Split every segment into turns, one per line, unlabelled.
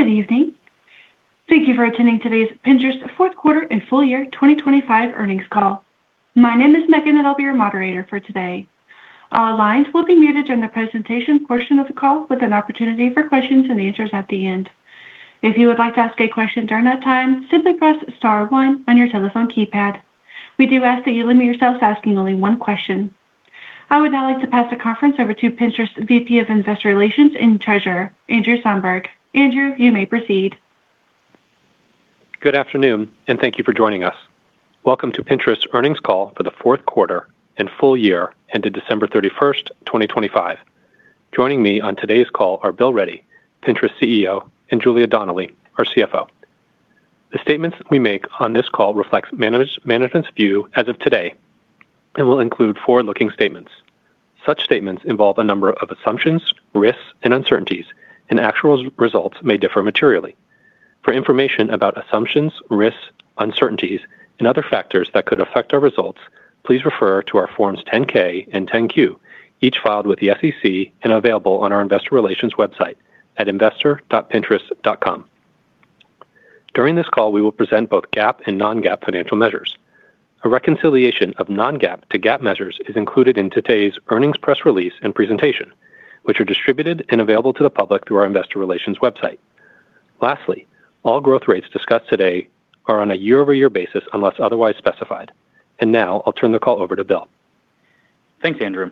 Good evening. Thank you for attending today's Pinterest's fourth quarter and full year 2025 earnings call. My name is Megan, and I'll be your moderator for today. All lines will be muted during the presentation portion of the call, with an opportunity for questions and answers at the end. If you would like to ask a question during that time, simply press star one on your telephone keypad. We do ask that you limit yourselves to asking only one question. I would now like to pass the conference over to Pinterest's VP of Investor Relations and Treasurer, Andrew Somberg. Andrew, you may proceed.
Good afternoon, and thank you for joining us. Welcome to Pinterest's earnings call for the fourth quarter and full year ended December 31, 2025. Joining me on today's call are Bill Ready, Pinterest's CEO, and Julia Donnelly, our CFO. The statements we make on this call reflect management's view as of today, and will include forward-looking statements. Such statements involve a number of assumptions, risks and uncertainties, and actual results may differ materially. For information about assumptions, risks, uncertainties, and other factors that could affect our results, please refer to our Forms 10-K and 10-Q, each filed with the SEC and available on our investor relations website at investor.pinterest.com. During this call, we will present both GAAP and non-GAAP financial measures. A reconciliation of Non-GAAP to GAAP measures is included in today's earnings press release and presentation, which are distributed and available to the public through our investor relations website. Lastly, all growth rates discussed today are on a year-over-year basis, unless otherwise specified. Now I'll turn the call over to Bill.
Thanks, Andrew.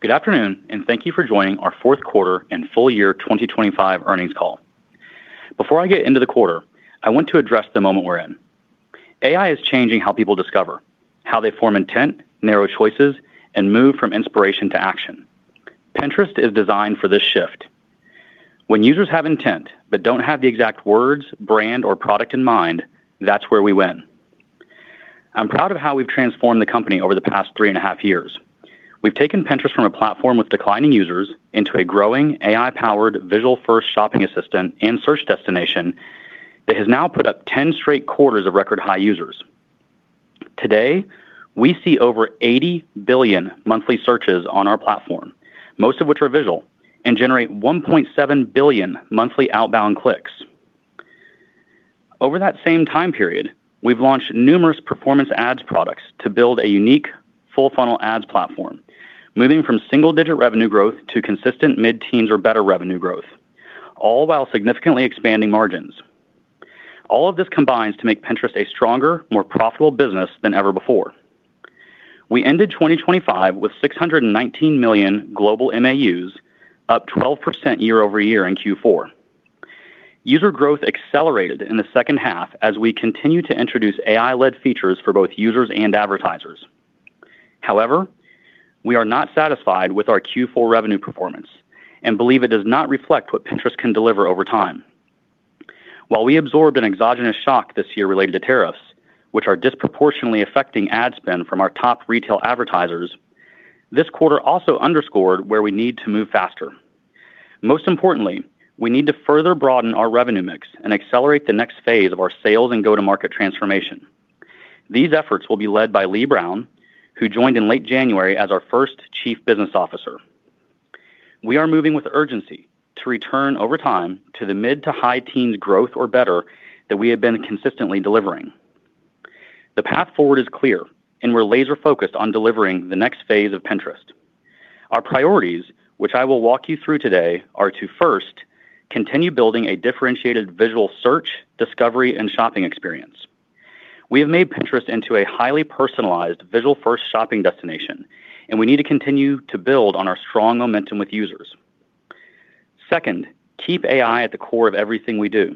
Good afternoon, and thank you for joining our fourth quarter and full year 2025 earnings call. Before I get into the quarter, I want to address the moment we're in. AI is changing how people discover, how they form intent, narrow choices, and move from inspiration to action. Pinterest is designed for this shift. When users have intent but don't have the exact words, brand, or product in mind, that's where we win. I'm proud of how we've transformed the company over the past three and a half years. We've taken Pinterest from a platform with declining users into a growing AI-powered, visual-first shopping assistant and search destination that has now put up 10 straight quarters of record-high users. Today, we see over 80 billion monthly searches on our platform, most of which are visual, and generate 1.7 billion monthly outbound clicks. Over that same time period, we've launched numerous performance ads products to build a unique full-funnel ads platform, moving from single-digit revenue growth to consistent mid-teens or better revenue growth, all while significantly expanding margins. All of this combines to make Pinterest a stronger, more profitable business than ever before. We ended 2025 with 619 million global MAUs, up 12% year-over-year in Q4. User growth accelerated in the second half as we continued to introduce AI-led features for both users and advertisers. However, we are not satisfied with our Q4 revenue performance and believe it does not reflect what Pinterest can deliver over time. While we absorbed an exogenous shock this year related to tariffs, which are disproportionately affecting ad spend from our top retail advertisers, this quarter also underscored where we need to move faster. Most importantly, we need to further broaden our revenue mix and accelerate the next phase of our sales and go-to-market transformation. These efforts will be led by Lee Brown, who joined in late January as our first Chief Business Officer. We are moving with urgency to return over time to the mid to high teens growth or better that we have been consistently delivering. The path forward is clear, and we're laser-focused on delivering the next phase of Pinterest. Our priorities, which I will walk you through today, are to, first, continue building a differentiated visual search, discovery, and shopping experience. We have made Pinterest into a highly personalized, visual-first shopping destination, and we need to continue to build on our strong momentum with users. Second, keep AI at the core of everything we do,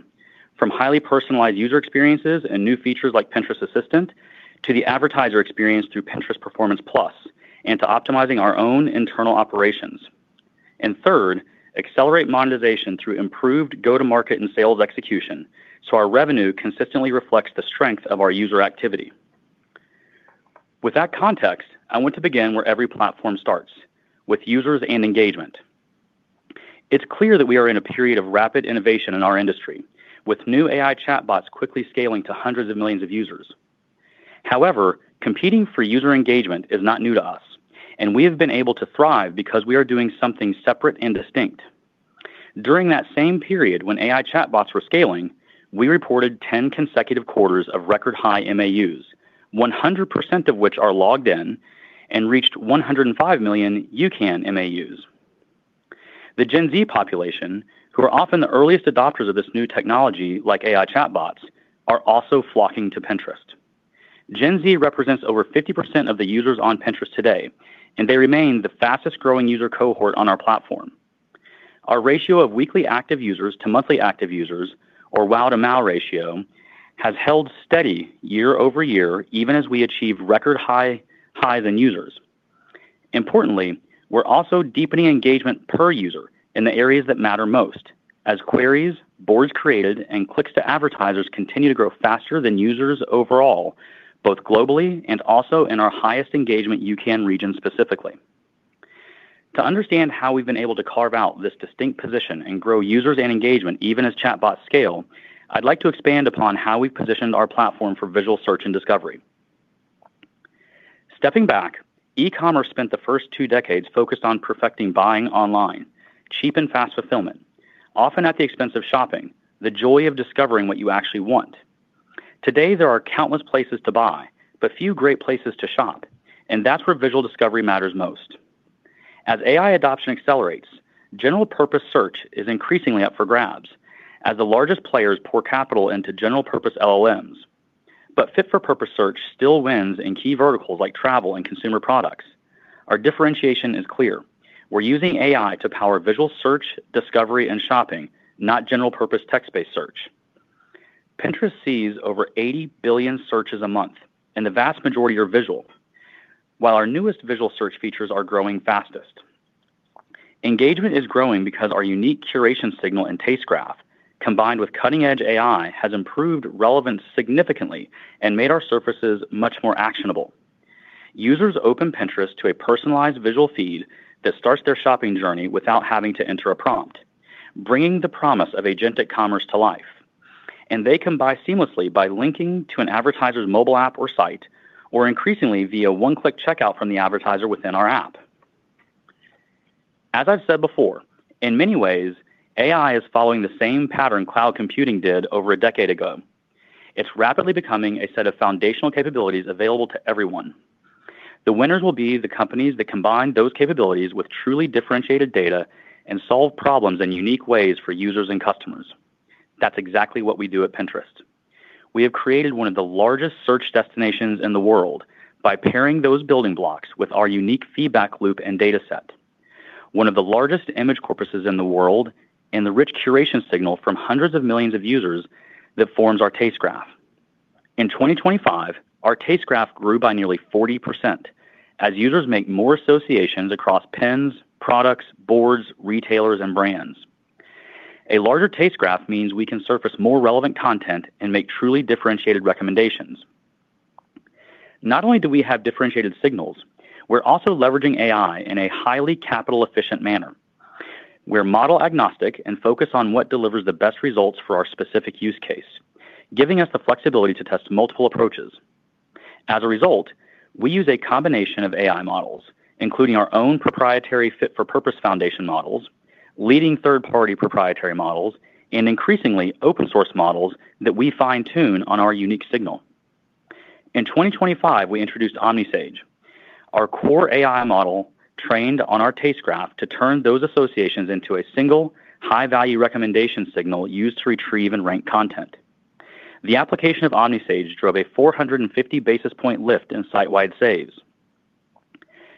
from highly personalized user experiences and new features like Pinterest Assistant, to the advertiser experience through Pinterest Performance+, and to optimizing our own internal operations. And third, accelerate monetization through improved go-to-market and sales execution, so our revenue consistently reflects the strength of our user activity. With that context, I want to begin where every platform starts: with users and engagement. It's clear that we are in a period of rapid innovation in our industry, with new AI chatbots quickly scaling to hundreds of millions of users. However, competing for user engagement is not new to us, and we have been able to thrive because we are doing something separate and distinct. During that same period when AI chatbots were scaling, we reported 10 consecutive quarters of record-high MAUs, 100% of which are logged in and reached 105 million UCAN MAUs. The Gen Z population, who are often the earliest adopters of this new technology, like AI chatbots, are also flocking to Pinterest. Gen Z represents over 50% of the users on Pinterest today, and they remain the fastest-growing user cohort on our platform. Our ratio of weekly active users to monthly active users, or WAU to MAU ratio, has held steady year-over-year, even as we achieve record highs in users. Importantly, we're also deepening engagement per user in the areas that matter most, as queries, boards created, and clicks to advertisers continue to grow faster than users overall, both globally and also in our highest engagement UCAN region specifically. To understand how we've been able to carve out this distinct position and grow users and engagement, even as chatbots scale, I'd like to expand upon how we've positioned our platform for visual search and discovery. Stepping back, e-commerce spent the first two decades focused on perfecting buying online, cheap and fast fulfillment, often at the expense of shopping, the joy of discovering what you actually want. Today, there are countless places to buy, but few great places to shop, and that's where visual discovery matters most. As AI adoption accelerates, general purpose search is increasingly up for grabs as the largest players pour capital into general purpose LLMs. But fit-for-purpose search still wins in key verticals like travel and consumer products. Our differentiation is clear: we're using AI to power visual search, discovery, and shopping, not general-purpose text-based search. Pinterest sees over 80 billion searches a month, and the vast majority are visual, while our newest visual search features are growing fastest. Engagement is growing because our unique curation signal and Taste Graph, combined with cutting-edge AI, has improved relevance significantly and made our surfaces much more actionable. Users open Pinterest to a personalized visual feed that starts their shopping journey without having to enter a prompt, bringing the promise of agentic commerce to life, and they can buy seamlessly by linking to an advertiser's mobile app or site, or increasingly via one-click checkout from the advertiser within our app. As I've said before, in many ways, AI is following the same pattern cloud computing did over a decade ago. It's rapidly becoming a set of foundational capabilities available to everyone. The winners will be the companies that combine those capabilities with truly differentiated data and solve problems in unique ways for users and customers. That's exactly what we do at Pinterest. We have created one of the largest search destinations in the world by pairing those building blocks with our unique feedback loop and data set, one of the largest image corpuses in the world, and the rich curation signal from hundreds of millions of users that forms our Taste Graph. In 2025, our Taste Graph grew by nearly 40% as users make more associations across pins, products, boards, retailers, and brands. A larger Taste Graph means we can surface more relevant content and make truly differentiated recommendations. Not only do we have differentiated signals, we're also leveraging AI in a highly capital-efficient manner. We're model agnostic and focus on what delivers the best results for our specific use case, giving us the flexibility to test multiple approaches. As a result, we use a combination of AI models, including our own proprietary fit-for-purpose foundation models, leading third-party proprietary models, and increasingly open source models that we fine-tune on our unique signal. In 2025, we introduced OmniSage, our core AI model, trained on our Taste Graph to turn those associations into a single high-value recommendation signal used to retrieve and rank content. The application of OmniSage drove a 450 basis point lift in site-wide saves.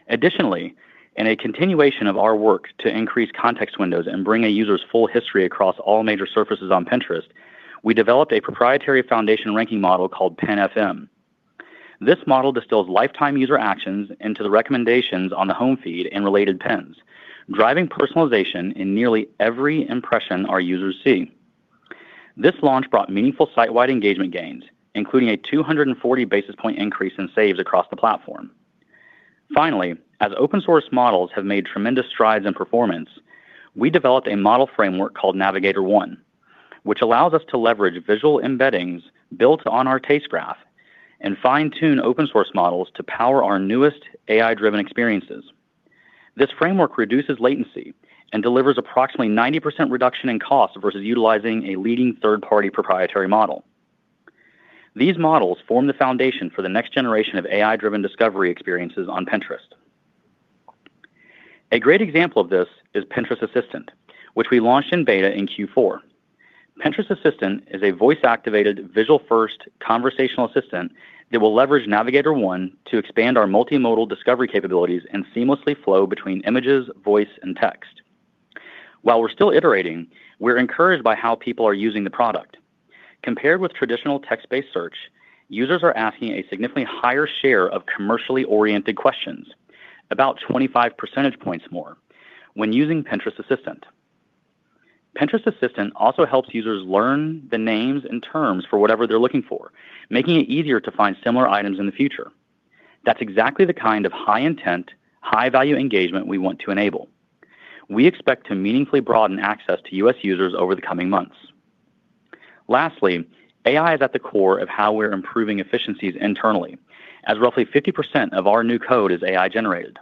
Additionally, in a continuation of our work to increase context windows and bring a user's full history across all major surfaces on Pinterest, we developed a proprietary foundation ranking model called PinFM. This model distills lifetime user actions into the recommendations on the Home Feed and Related Pins, driving personalization in nearly every impression our users see. This launch brought meaningful site-wide engagement gains, including a 240 basis point increase in saves across the platform. Finally, as open source models have made tremendous strides in performance, we developed a model framework called Navigator I, which allows us to leverage visual embeddings built on our Taste Graph and fine-tune open source models to power our newest AI-driven experiences. This framework reduces latency and delivers approximately 90% reduction in cost versus utilizing a leading third-party proprietary model. These models form the foundation for the next generation of AI-driven discovery experiences on Pinterest. A great example of this is Pinterest Assistant, which we launched in beta in Q4. Pinterest Assistant is a voice-activated, visual-first conversational assistant that will leverage Navigator I to expand our multimodal discovery capabilities and seamlessly flow between images, voice, and text. While we're still iterating, we're encouraged by how people are using the product. Compared with traditional text-based search, users are asking a significantly higher share of commercially-oriented questions, about 25 percentage points more when using Pinterest Assistant. Pinterest Assistant also helps users learn the names and terms for whatever they're looking for, making it easier to find similar items in the future. That's exactly the kind of high intent, high-value engagement we want to enable. We expect to meaningfully broaden access to U.S. users over the coming months. Lastly, AI is at the core of how we're improving efficiencies internally, as roughly 50% of our new code is AI-generated.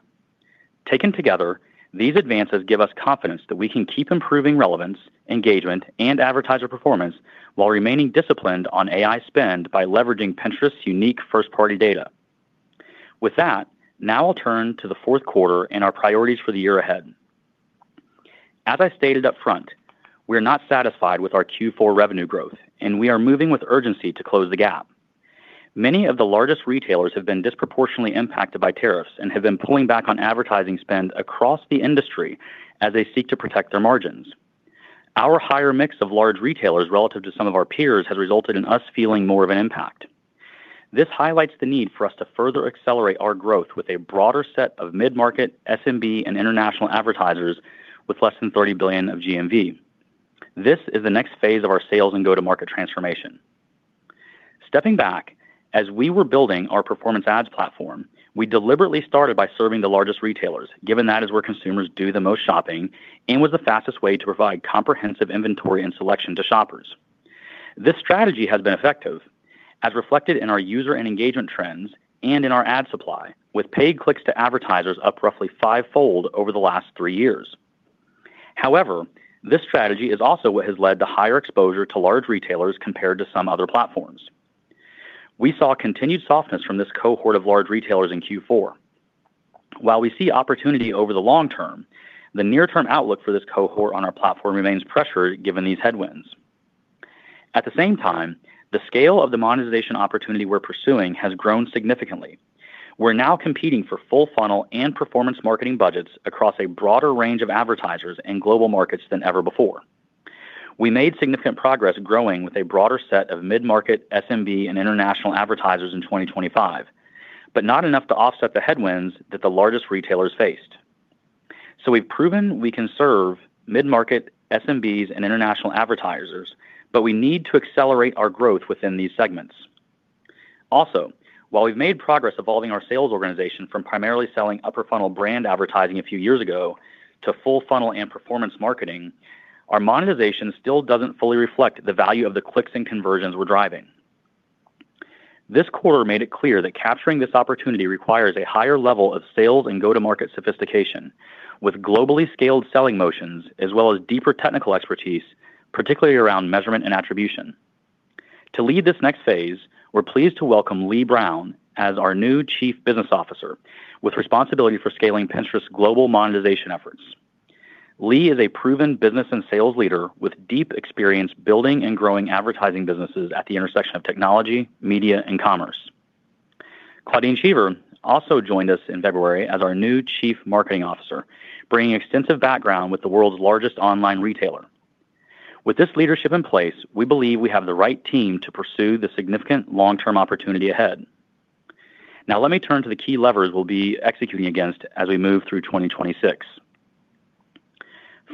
Taken together, these advances give us confidence that we can keep improving relevance, engagement, and advertiser performance while remaining disciplined on AI spend by leveraging Pinterest's unique first-party data. With that, now I'll turn to the fourth quarter and our priorities for the year ahead. As I stated up front, we are not satisfied with our Q4 revenue growth, and we are moving with urgency to close the gap. Many of the largest retailers have been disproportionately impacted by tariffs and have been pulling back on advertising spend across the industry as they seek to protect their margins. Our higher mix of large retailers, relative to some of our peers, has resulted in us feeling more of an impact. This highlights the need for us to further accelerate our growth with a broader set of mid-market, SMB, and international advertisers with less than $30 billion of GMV. This is the next phase of our sales and go-to-market transformation. Stepping back, as we were building our performance ads platform, we deliberately started by serving the largest retailers, given that is where consumers do the most shopping and was the fastest way to provide comprehensive inventory and selection to shoppers. This strategy has been effective, as reflected in our user and engagement trends and in our ad supply, with paid clicks to advertisers up roughly fivefold over the last three years. However, this strategy is also what has led to higher exposure to large retailers compared to some other platforms. We saw continued softness from this cohort of large retailers in Q4. While we see opportunity over the long term, the near-term outlook for this cohort on our platform remains pressured given these headwinds. At the same time, the scale of the monetization opportunity we're pursuing has grown significantly. We're now competing for full-funnel and performance marketing budgets across a broader range of advertisers in global markets than ever before. We made significant progress growing with a broader set of mid-market SMB and international advertisers in 2025, but not enough to offset the headwinds that the largest retailers faced. So we've proven we can serve mid-market SMBs and international advertisers, but we need to accelerate our growth within these segments. Also, while we've made progress evolving our sales organization from primarily selling upper funnel brand advertising a few years ago to full-funnel and performance marketing, our monetization still doesn't fully reflect the value of the clicks and conversions we're driving. This quarter made it clear that capturing this opportunity requires a higher level of sales and go-to-market sophistication, with globally scaled selling motions as well as deeper technical expertise, particularly around measurement and attribution. To lead this next phase, we're pleased to welcome Lee Brown as our new Chief Business Officer, with responsibility for scaling Pinterest's global monetization efforts. Lee is a proven business and sales leader with deep experience building and growing advertising businesses at the intersection of technology, media, and commerce. Claudine Cheever also joined us in February as our new Chief Marketing Officer, bringing extensive background with the world's largest online retailer. With this leadership in place, we believe we have the right team to pursue the significant long-term opportunity ahead. Now let me turn to the key levers we'll be executing against as we move through 2026.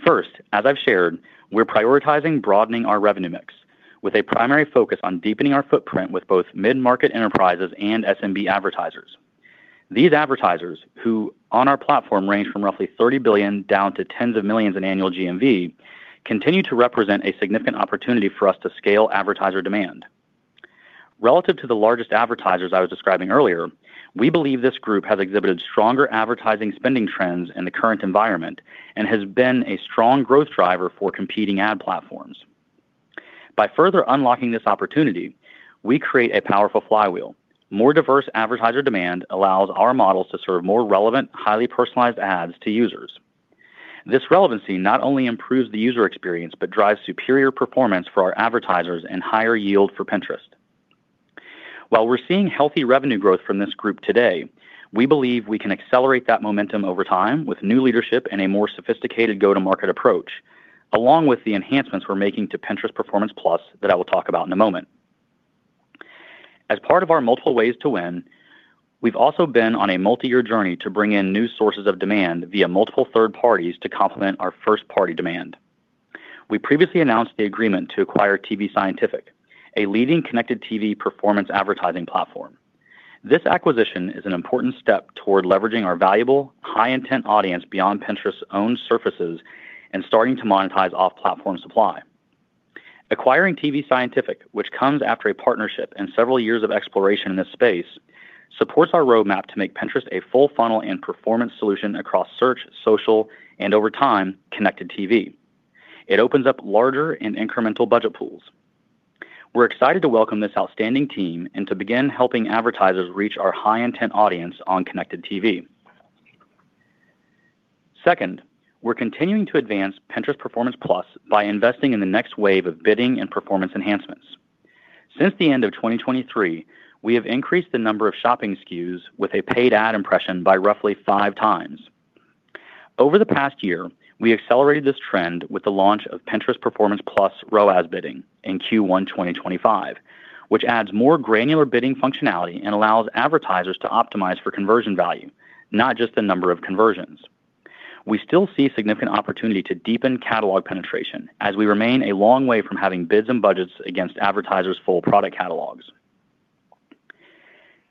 First, as I've shared, we're prioritizing broadening our revenue mix with a primary focus on deepening our footprint with both mid-market enterprises and SMB advertisers. These advertisers, who on our platform range from roughly $30 billion down to tens of millions in annual GMV, continue to represent a significant opportunity for us to scale advertiser demand. Relative to the largest advertisers I was describing earlier, we believe this group has exhibited stronger advertising spending trends in the current environment and has been a strong growth driver for competing ad platforms. By further unlocking this opportunity, we create a powerful flywheel. More diverse advertiser demand allows our models to serve more relevant, highly personalized ads to users. This relevancy not only improves the user experience, but drives superior performance for our advertisers and higher yield for Pinterest. While we're seeing healthy revenue growth from this group today, we believe we can accelerate that momentum over time with new leadership and a more sophisticated go-to-market approach, along with the enhancements we're making to Pinterest Performance+ that I will talk about in a moment. As part of our multiple ways to win, we've also been on a multi-year journey to bring in new sources of demand via multiple third parties to complement our first-party demand. We previously announced the agreement to acquire tvScientific, a leading Connected TV performance advertising platform. This acquisition is an important step toward leveraging our valuable, high-intent audience beyond Pinterest's own surfaces and starting to monetize off-platform supply. Acquiring tvScientific, which comes after a partnership and several years of exploration in this space, supports our roadmap to make Pinterest a full-funnel and performance solution across search, social, and over time, Connected TV. It opens up larger and incremental budget pools. We're excited to welcome this outstanding team and to begin helping advertisers reach our high-intent audience on Connected TV. Second, we're continuing to advance Pinterest Performance+ by investing in the next wave of bidding and performance enhancements. Since the end of 2023, we have increased the number of shopping SKUs with a paid ad impression by roughly five times. Over the past year, we accelerated this trend with the launch of Pinterest Performance+ ROAS Bidding in Q1 2025, which adds more granular bidding functionality and allows advertisers to optimize for conversion value, not just the number of conversions. We still see significant opportunity to deepen catalog penetration as we remain a long way from having bids and budgets against advertisers' full product catalogs.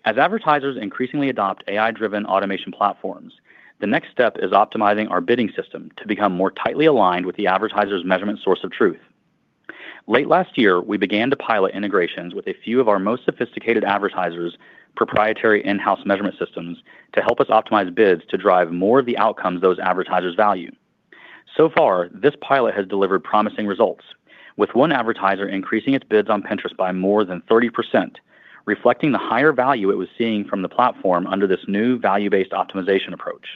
As advertisers increasingly adopt AI-driven automation platforms, the next step is optimizing our bidding system to become more tightly aligned with the advertisers' measurement source of truth. Late last year, we began to pilot integrations with a few of our most sophisticated advertisers' proprietary in-house measurement systems to help us optimize bids to drive more of the outcomes those advertisers value. So far, this pilot has delivered promising results, with one advertiser increasing its bids on Pinterest by more than 30%, reflecting the higher value it was seeing from the platform under this new value-based optimization approach.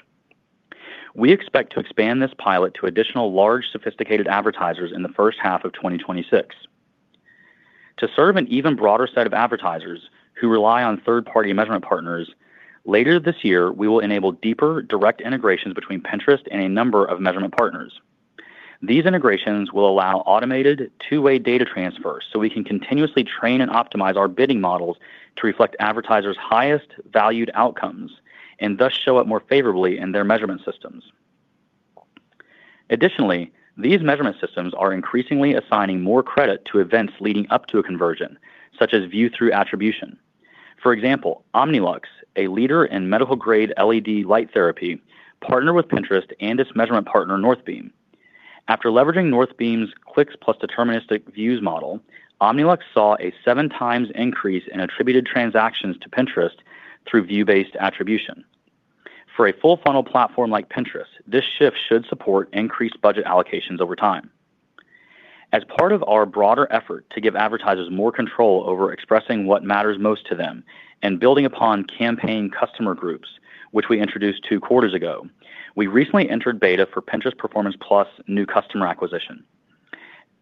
We expect to expand this pilot to additional large, sophisticated advertisers in the first half of 2026. To serve an even broader set of advertisers who rely on third-party measurement partners, later this year, we will enable deeper direct integrations between Pinterest and a number of measurement partners. These integrations will allow automated two-way data transfers, so we can continuously train and optimize our bidding models to reflect advertisers' highest valued outcomes, and thus show up more favorably in their measurement systems. Additionally, these measurement systems are increasingly assigning more credit to events leading up to a conversion, such as view-through attribution. For example, Omnilux, a leader in medical-grade LED light therapy, partnered with Pinterest and its measurement partner, Northbeam. After leveraging Northbeam's Clicks + Deterministic Views model, Omnilux saw a seven times increase in attributed transactions to Pinterest through view-based attribution. For a full-funnel platform like Pinterest, this shift should support increased budget allocations over time. As part of our broader effort to give advertisers more control over expressing what matters most to them and building upon campaign customer groups, which we introduced two quarters ago, we recently entered beta for Pinterest Performance+ New Customer Acquisition.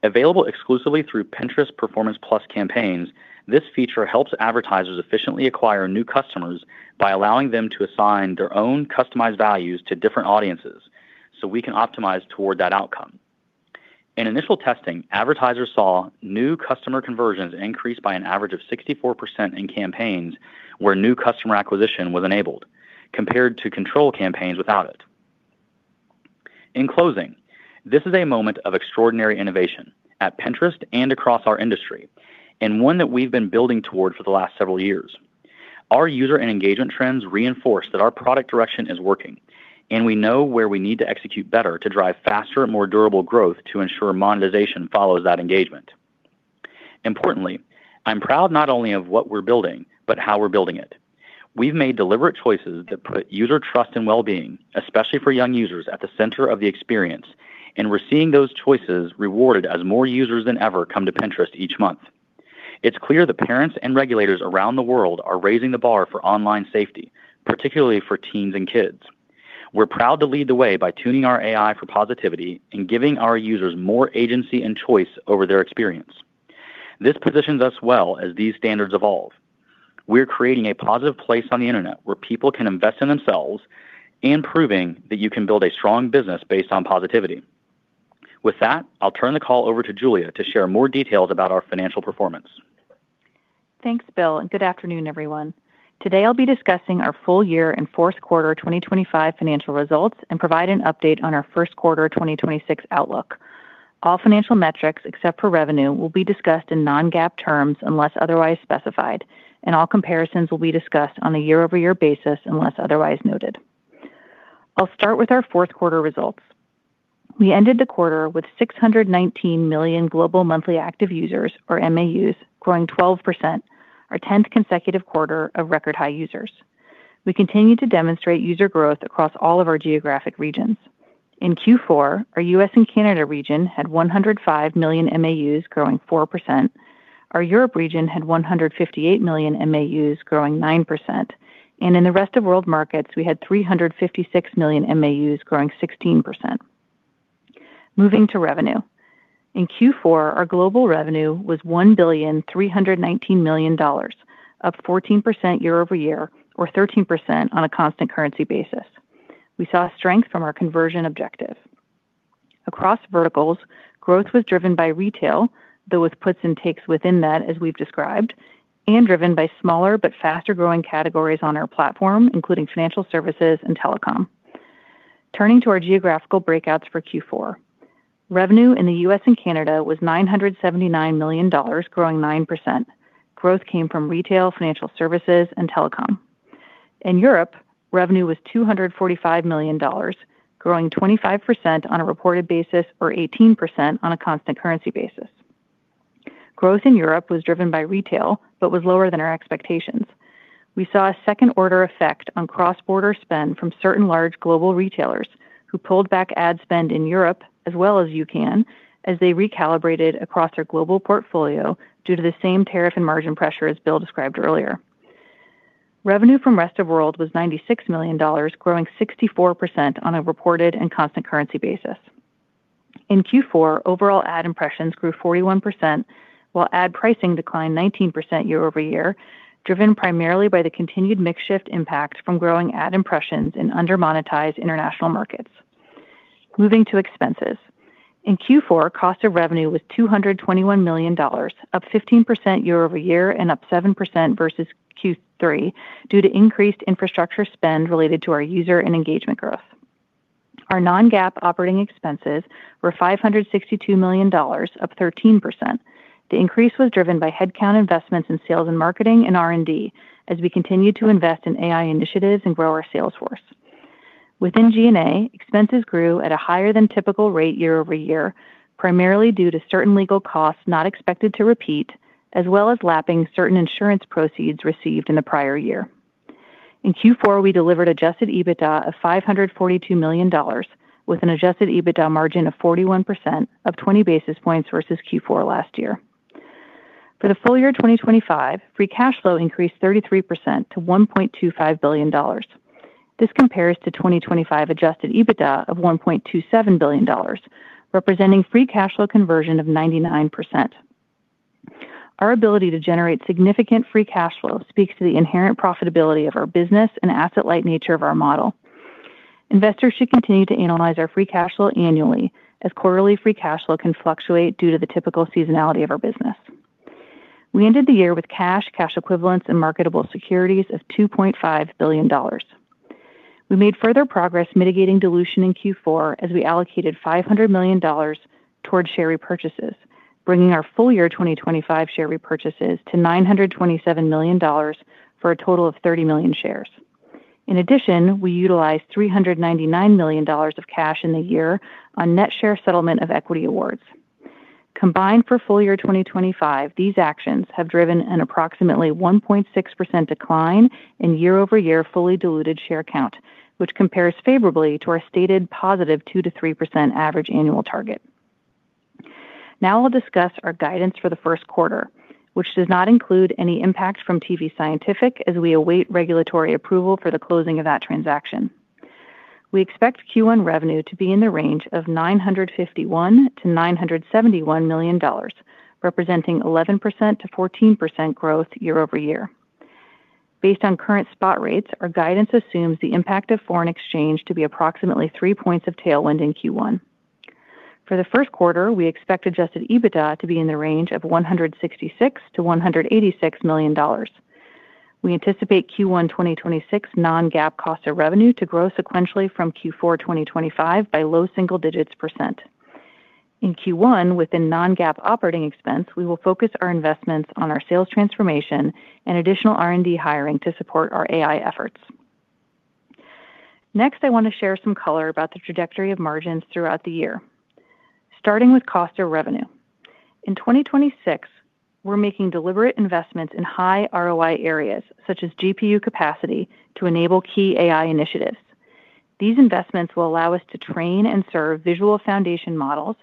Available exclusively through Pinterest Performance+ campaigns, this feature helps advertisers efficiently acquire new customers by allowing them to assign their own customized values to different audiences, so we can optimize toward that outcome. In initial testing, advertisers saw new customer conversions increase by an average of 64% in campaigns where new customer acquisition was enabled, compared to control campaigns without it. In closing, this is a moment of extraordinary innovation at Pinterest and across our industry, and one that we've been building towards for the last several years. Our user and engagement trends reinforce that our product direction is working, and we know where we need to execute better to drive faster, more durable growth to ensure monetization follows that engagement. Importantly, I'm proud not only of what we're building, but how we're building it. We've made deliberate choices that put user trust and well-being, especially for young users, at the center of the experience, and we're seeing those choices rewarded as more users than ever come to Pinterest each month. It's clear that parents and regulators around the world are raising the bar for online safety, particularly for teens and kids. We're proud to lead the way by tuning our AI for positivity and giving our users more agency and choice over their experience. This positions us well as these standards evolve. We're creating a positive place on the internet where people can invest in themselves, and proving that you can build a strong business based on positivity. With that, I'll turn the call over to Julia to share more details about our financial performance.
Thanks, Bill, and good afternoon, everyone. Today, I'll be discussing our full year and fourth quarter 2025 financial results and provide an update on our first quarter 2026 outlook. All financial metrics, except for revenue, will be discussed in non-GAAP terms unless otherwise specified, and all comparisons will be discussed on a year-over-year basis unless otherwise noted. I'll start with our fourth quarter results. We ended the quarter with 619 million global monthly active users, or MAUs, growing 12%, our tenth consecutive quarter of record-high users. We continue to demonstrate user growth across all of our geographic regions. In Q4, our U.S. and Canada region had 105 million MAUs, growing 4%. Our Europe region had 158 million MAUs, growing 9%, and in the Rest of World markets, we had 356 million MAUs, growing 16%. Moving to revenue. In Q4, our global revenue was $1.319 billion, up 14% year-over-year or 13% on a constant currency basis. We saw strength from our conversion objective. Across verticals, growth was driven by retail, though with puts and takes within that, as we've described, and driven by smaller but faster-growing categories on our platform, including financial services and telecom. Turning to our geographical breakouts for Q4. Revenue in the U.S. and Canada was $979 million, growing 9%. Growth came from retail, financial services, and telecom. In Europe, revenue was $245 million, growing 25% on a reported basis or 18% on a constant currency basis. Growth in Europe was driven by retail but was lower than our expectations. We saw a second-order effect on cross-border spend from certain large global retailers who pulled back ad spend in Europe, as well as UCAN, as they recalibrated across their global portfolio due to the same tariff and margin pressure as Bill described earlier. Revenue from Rest of World was $96 million, growing 64% on a reported and constant currency basis. In Q4, overall ad impressions grew 41%, while ad pricing declined 19% year-over-year, driven primarily by the continued mix shift impact from growing ad impressions in under-monetized international markets. Moving to expenses. In Q4, cost of revenue was $221 million, up 15% year-over-year and up 7% versus Q3, due to increased infrastructure spend related to our user and engagement growth. Our non-GAAP operating expenses were $562 million, up 13%. The increase was driven by headcount investments in sales and marketing and R&D as we continued to invest in AI initiatives and grow our sales force. Within G&A, expenses grew at a higher than typical rate year-over-year, primarily due to certain legal costs not expected to repeat, as well as lapping certain insurance proceeds received in the prior year. In Q4, we delivered Adjusted EBITDA of $542 million, with an Adjusted EBITDA margin of 41%, up 20 basis points versus Q4 last year. For the full year 2025, free cash flow increased 33% to $1.25 billion. This compares to 2025 adjusted EBITDA of $1.27 billion, representing free cash flow conversion of 99%. Our ability to generate significant free cash flow speaks to the inherent profitability of our business and asset-light nature of our model. Investors should continue to analyze our free cash flow annually, as quarterly free cash flow can fluctuate due to the typical seasonality of our business. We ended the year with cash, cash equivalents, and marketable securities of $2.5 billion. We made further progress mitigating dilution in Q4 as we allocated $500 million towards share repurchases, bringing our full year 2025 share repurchases to $927 million for a total of 30 million shares. In addition, we utilized $399 million of cash in the year on net share settlement of equity awards. Combined for full year 2025, these actions have driven an approximately 1.6% decline in year-over-year fully diluted share count, which compares favorably to our stated positive 2%-3% average annual target. Now I'll discuss our guidance for the first quarter, which does not include any impact from tvScientific as we await regulatory approval for the closing of that transaction. We expect Q1 revenue to be in the range of $951 million-$971 million, representing 11%-14% growth year-over-year. Based on current spot rates, our guidance assumes the impact of foreign exchange to be approximately three points of tailwind in Q1. For the first quarter, we expect Adjusted EBITDA to be in the range of $166 million-$186 million. We anticipate Q1 2026 non-GAAP cost of revenue to grow sequentially from Q4 2025 by low single digits%. In Q1, within non-GAAP operating expense, we will focus our investments on our sales transformation and additional R&D hiring to support our AI efforts. Next, I want to share some color about the trajectory of margins throughout the year. Starting with cost of revenue. In 2026, we're making deliberate investments in high ROI areas such as GPU capacity to enable key AI initiatives. These investments will allow us to train and serve visual foundation models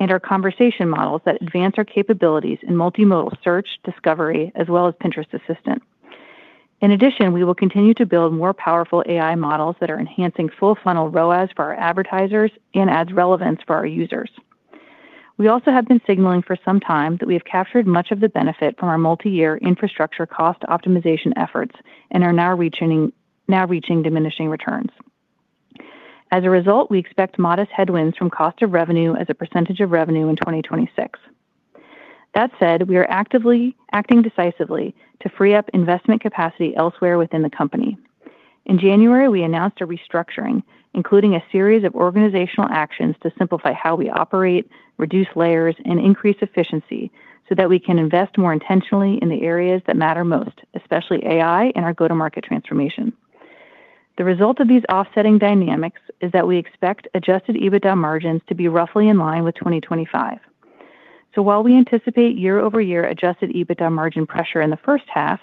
and our conversation models that advance our capabilities in multimodal search, discovery, as well as Pinterest Assistant. In addition, we will continue to build more powerful AI models that are enhancing full-funnel ROAS for our advertisers and ads relevance for our users. We also have been signaling for some time that we have captured much of the benefit from our multi-year infrastructure cost optimization efforts and are now reaching diminishing returns. As a result, we expect modest headwinds from cost of revenue as a percentage of revenue in 2026. That said, we are actively acting decisively to free up investment capacity elsewhere within the company. In January, we announced a restructuring, including a series of organizational actions to simplify how we operate, reduce layers, and increase efficiency so that we can invest more intentionally in the areas that matter most, especially AI and our go-to-market transformation. The result of these offsetting dynamics is that we expect Adjusted EBITDA margins to be roughly in line with 2025. So while we anticipate year-over-year Adjusted EBITDA margin pressure in the first half,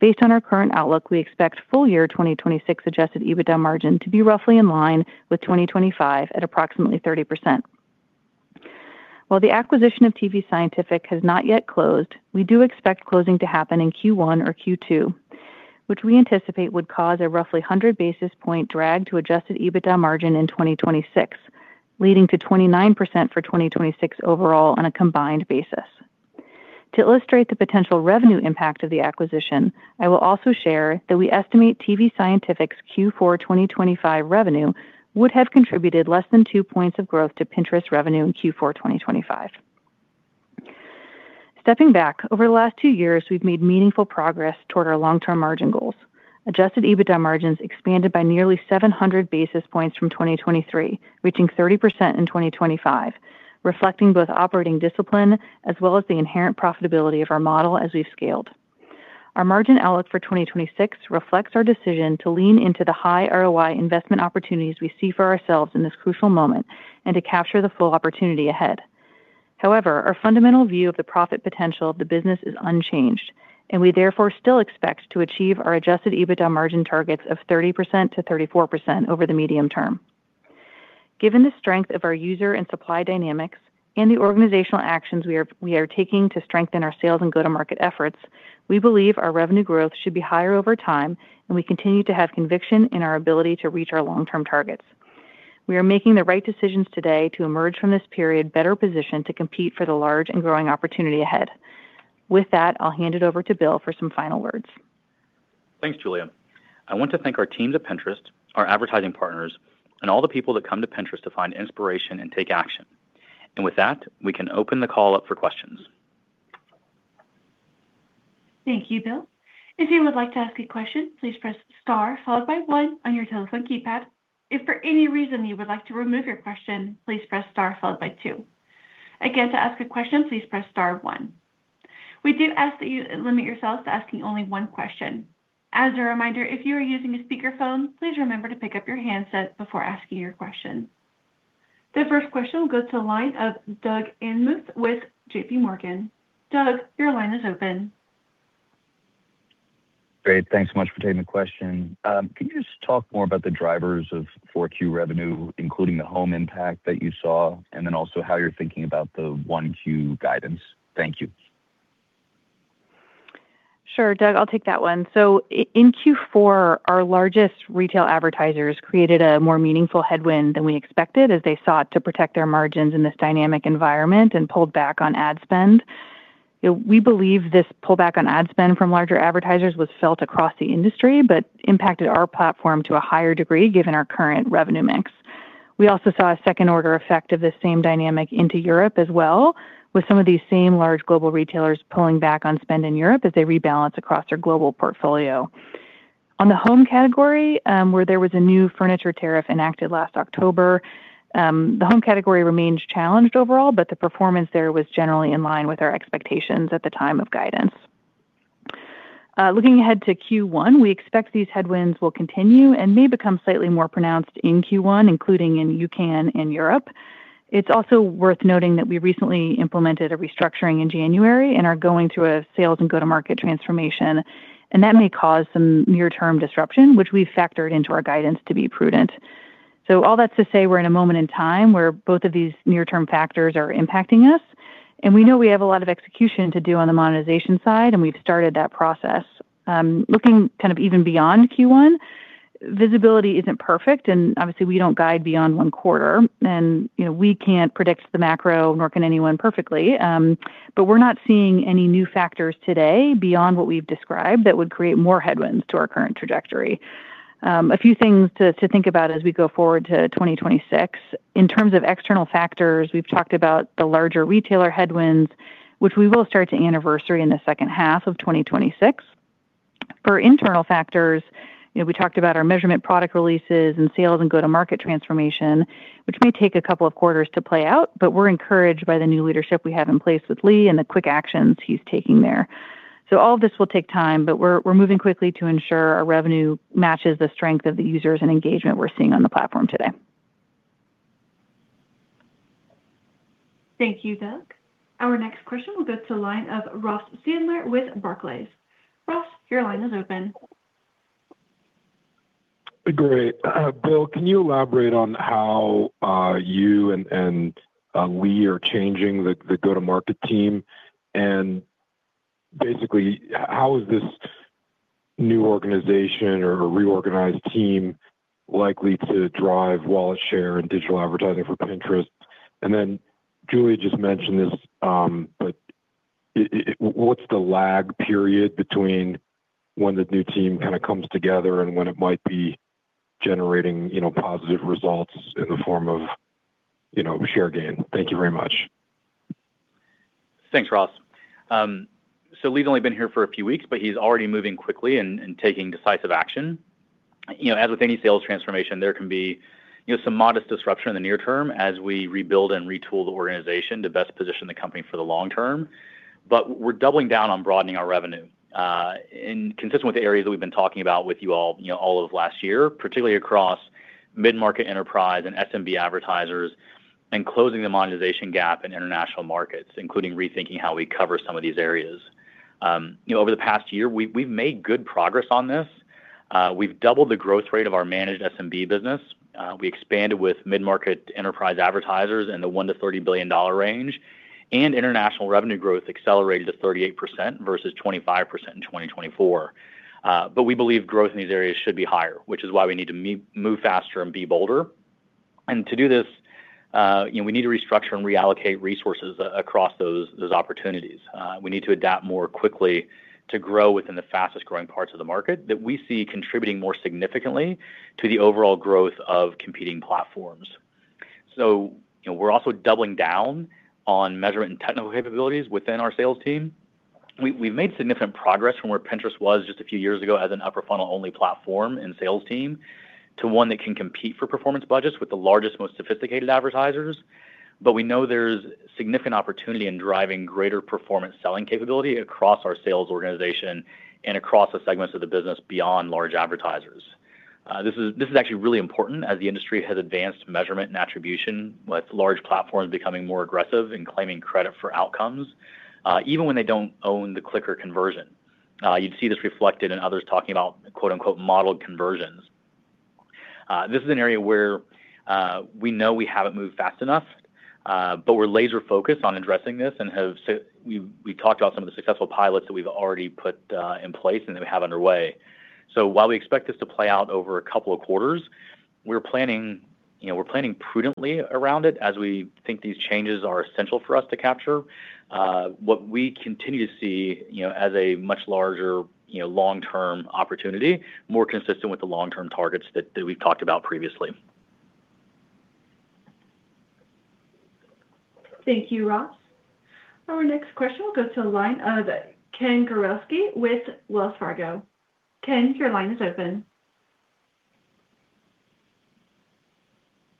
based on our current outlook, we expect full year 2026 Adjusted EBITDA margin to be roughly in line with 2025 at approximately 30%. While the acquisition of tvScientific has not yet closed, we do expect closing to happen in Q1 or Q2, which we anticipate would cause a roughly 100 basis points drag to Adjusted EBITDA margin in 2026, leading to 29% for 2026 overall on a combined basis. To illustrate the potential revenue impact of the acquisition, I will also share that we estimate tvScientific's Q4 2025 revenue would have contributed less than two points of growth to Pinterest revenue in Q4 2025. Stepping back, over the last two years, we've made meaningful progress toward our long-term margin goals. Adjusted EBITDA margins expanded by nearly 700 basis points from 2023, reaching 30% in 2025, reflecting both operating discipline as well as the inherent profitability of our model as we've scaled. Our margin outlook for 2026 reflects our decision to lean into the high ROI investment opportunities we see for ourselves in this crucial moment and to capture the full opportunity ahead. However, our fundamental view of the profit potential of the business is unchanged, and we therefore still expect to achieve our adjusted EBITDA margin targets of 30%-34% over the medium term. Given the strength of our user and supply dynamics and the organizational actions we are taking to strengthen our sales and go-to-market efforts, we believe our revenue growth should be higher over time, and we continue to have conviction in our ability to reach our long-term targets. We are making the right decisions today to emerge from this period better positioned to compete for the large and growing opportunity ahead. With that, I'll hand it over to Bill for some final words.
Thanks, Julia. I want to thank our team at Pinterest, our advertising partners, and all the people that come to Pinterest to find inspiration and take action. And with that, we can open the call up for questions.
Thank you, Bill. If you would like to ask a question, please press star followed by one on your telephone keypad. If for any reason you would like to remove your question, please press star followed by two. Again, to ask a question, please press star one. We do ask that you limit yourselves to asking only one question. As a reminder, if you are using a speakerphone, please remember to pick up your handset before asking your question. The first question will go to the line of Doug Anmuth with J.P. Morgan. Doug, your line is open.
Great. Thanks so much for taking the question. Can you just talk more about the drivers of Q4 revenue, including the home impact that you saw, and then also how you're thinking about the Q1 guidance? Thank you.
Sure, Doug, I'll take that one. So in Q4, our largest retail advertisers created a more meaningful headwind than we expected as they sought to protect their margins in this dynamic environment and pulled back on ad spend. We believe this pullback on ad spend from larger advertisers was felt across the industry, but impacted our platform to a higher degree given our current revenue mix. We also saw a second-order effect of the same dynamic into Europe as well, with some of these same large global retailers pulling back on spend in Europe as they rebalance across their global portfolio. On the home category, where there was a new furniture tariff enacted last October, the home category remains challenged overall, but the performance there was generally in line with our expectations at the time of guidance. Looking ahead to Q1, we expect these headwinds will continue and may become slightly more pronounced in Q1, including in U.K. and in Europe. It's also worth noting that we recently implemented a restructuring in January and are going through a sales and go-to-market transformation, and that may cause some near-term disruption, which we've factored into our guidance to be prudent. All that's to say, we're in a moment in time where both of these near-term factors are impacting us, and we know we have a lot of execution to do on the monetization side, and we've started that process. Looking kind of even beyond Q1, visibility isn't perfect, and obviously, we don't guide beyond one quarter, and, you know, we can't predict the macro, nor can anyone perfectly. But we're not seeing any new factors today beyond what we've described that would create more headwinds to our current trajectory. A few things to think about as we go forward to 2026. In terms of external factors, we've talked about the larger retailer headwinds, which we will start to anniversary in the second half of 2026. For internal factors, you know, we talked about our measurement product releases and sales and go-to-market transformation, which may take a couple of quarters to play out, but we're encouraged by the new leadership we have in place with Lee and the quick actions he's taking there. All of this will take time, but we're moving quickly to ensure our revenue matches the strength of the users and engagement we're seeing on the platform today.
Thank you, Doug. Our next question will go to the line of Ross Sandler with Barclays. Ross, your line is open.
Great. Bill, can you elaborate on how you and Lee are changing the go-to-market team? And basically, how is this new organization or reorganized team likely to drive wallet share and digital advertising for Pinterest? And then Julia just mentioned this, but. What's the lag period between when the new team kind of comes together and when it might be generating, you know, positive results in the form of, you know, share gain? Thank you very much.
Thanks, Ross. So Lee's only been here for a few weeks, but he's already moving quickly and taking decisive action. You know, as with any sales transformation, there can be, you know, some modest disruption in the near term as we rebuild and retool the organization to best position the company for the long term. But we're doubling down on broadening our revenue, and consistent with the areas that we've been talking about with you all, you know, all of last year, particularly across mid-market enterprise and SMB advertisers, and closing the monetization gap in international markets, including rethinking how we cover some of these areas. You know, over the past year, we've made good progress on this. We've doubled the growth rate of our managed SMB business. We expanded with mid-market enterprise advertisers in the $1-$30 billion range, and international revenue growth accelerated to 38% versus 25% in 2024. But we believe growth in these areas should be higher, which is why we need to move faster and be bolder. And to do this, you know, we need to restructure and reallocate resources across those opportunities. We need to adapt more quickly to grow within the fastest-growing parts of the market that we see contributing more significantly to the overall growth of competing platforms. So, you know, we're also doubling down on measurement and technical capabilities within our sales team. We've made significant progress from where Pinterest was just a few years ago as an upper funnel-only platform and sales team, to one that can compete for performance budgets with the largest, most sophisticated advertisers. But we know there's significant opportunity in driving greater performance selling capability across our sales organization and across the segments of the business beyond large advertisers. This is actually really important as the industry has advanced measurement and attribution, with large platforms becoming more aggressive in claiming credit for outcomes, even when they don't own the click or conversion. You'd see this reflected in others talking about, quote-unquote, "modeled conversions." This is an area where we know we haven't moved fast enough, but we're laser focused on addressing this and have we, we talked about some of the successful pilots that we've already put in place and that we have underway. So while we expect this to play out over a couple of quarters, we're planning, you know, we're planning prudently around it as we think these changes are essential for us to capture what we continue to see, you know, as a much larger, you know, long-term opportunity, more consistent with the long-term targets that we've talked about previously.
Thank you, Ross. Our next question will go to the line of Ken Gawrelski with Wells Fargo. Ken, your line is open.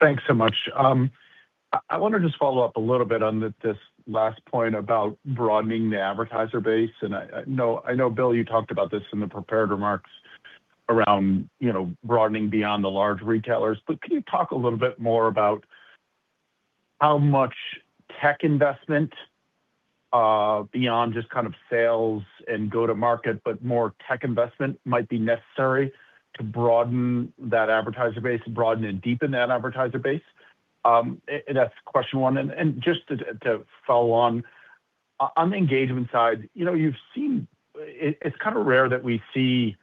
Thanks so much. I want to just follow up a little bit on this last point about broadening the advertiser base. And I know, Bill, you talked about this in the prepared remarks around, you know, broadening beyond the large retailers. But can you talk a little bit more about how much tech investment, beyond just kind of sales and go-to-market, but more tech investment might be necessary to broaden that advertiser base, broaden and deepen that advertiser base? And that's question one. And just to follow on, on the engagement side, you know, you've seen. It's kind of rare that we see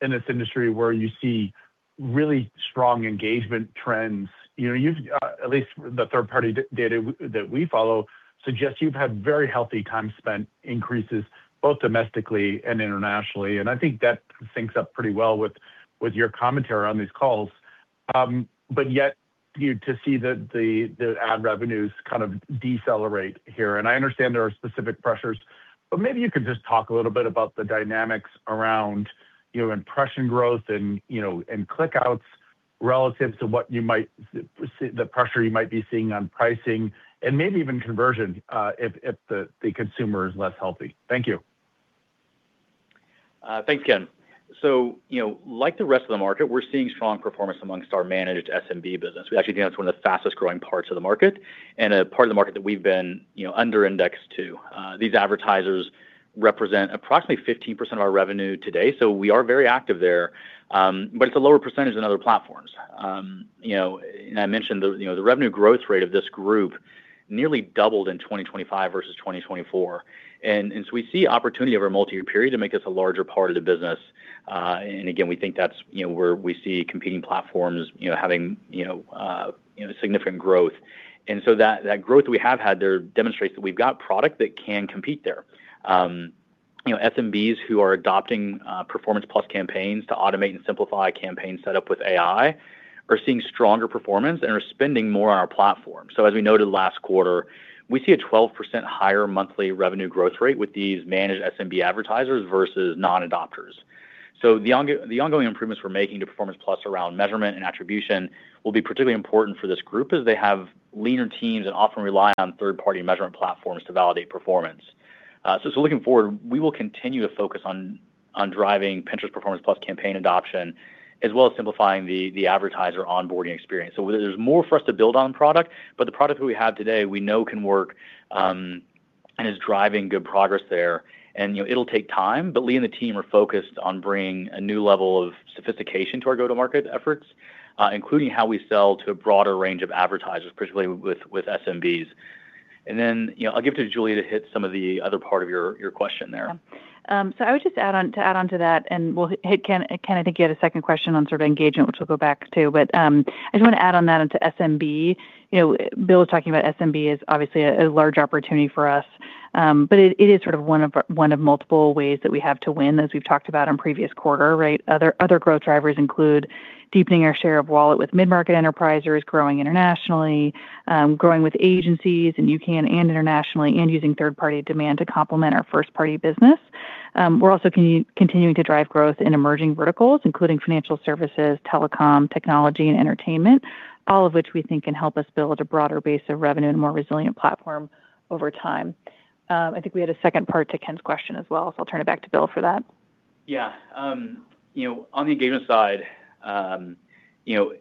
in this industry where you see really strong engagement trends. You know, you've at least the third-party data that we follow suggests you've had very healthy time spent increases, both domestically and internationally, and I think that syncs up pretty well with your commentary on these calls. But I want you to see the ad revenues kind of decelerate here. And I understand there are specific pressures, but maybe you could just talk a little bit about the dynamics around, you know, impression growth and, you know, and click outs relative to what you might see, the pressure you might be seeing on pricing and maybe even conversion, if the consumer is less healthy. Thank you.
Thanks, Ken. So, you know, like the rest of the market, we're seeing strong performance amongst our managed SMB business. We actually think that's one of the fastest growing parts of the market and a part of the market that we've been, you know, under indexed to. These advertisers represent approximately 15% of our revenue today, so we are very active there, but it's a lower percentage than other platforms. You know, and I mentioned the, you know, the revenue growth rate of this group nearly doubled in 2025 versus 2024. And, and so we see opportunity over a multi-year period to make this a larger part of the business. And again, we think that's, you know, where we see competing platforms, you know, having, you know, significant growth. So that growth we have had there demonstrates that we've got product that can compete there. You know, SMBs who are adopting Performance Plus campaigns to automate and simplify campaign setup with AI are seeing stronger performance and are spending more on our platform. As we noted last quarter, we see a 12% higher monthly revenue growth rate with these managed SMB advertisers versus non-adopters. The ongoing improvements we're making to Performance Plus around measurement and attribution will be particularly important for this group, as they have leaner teams and often rely on third-party measurement platforms to validate performance. Looking forward, we will continue to focus on driving Pinterest Performance+ campaign adoption, as well as simplifying the advertiser onboarding experience. So there's more for us to build on product, but the product that we have today, we know can work, and is driving good progress there. And, you know, it'll take time, but Lee and the team are focused on bringing a new level of sophistication to our go-to-market efforts, including how we sell to a broader range of advertisers, particularly with SMBs. And then, you know, I'll give to Julia to hit some of the other part of your question there.
So I would just add on to that, and we'll hit Ken. Ken, I think you had a second question on sort of engagement, which we'll go back to. But I just want to add on that into SMB. You know, Bill was talking about SMB is obviously a large opportunity for us, but it is sort of one of multiple ways that we have to win, as we've talked about in previous quarter, right? Other growth drivers include deepening our share of wallet with mid-market enterprises, growing internationally, growing with agencies in U.K. and internationally, and using third-party demand to complement our first-party business. We're also continuing to drive growth in emerging verticals, including financial services, telecom, technology, and entertainment, all of which we think can help us build a broader base of revenue and more resilient platform over time. I think we had a second part to Ken's question as well, so I'll turn it back to Bill for that.
Yeah. You know, on the engagement side, you know,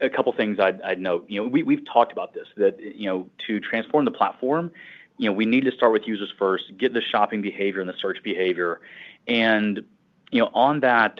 a couple of things I'd note. You know, we've talked about this, that, you know, to transform the platform, you know, we need to start with users first, get the shopping behavior and the search behavior. And, you know, on that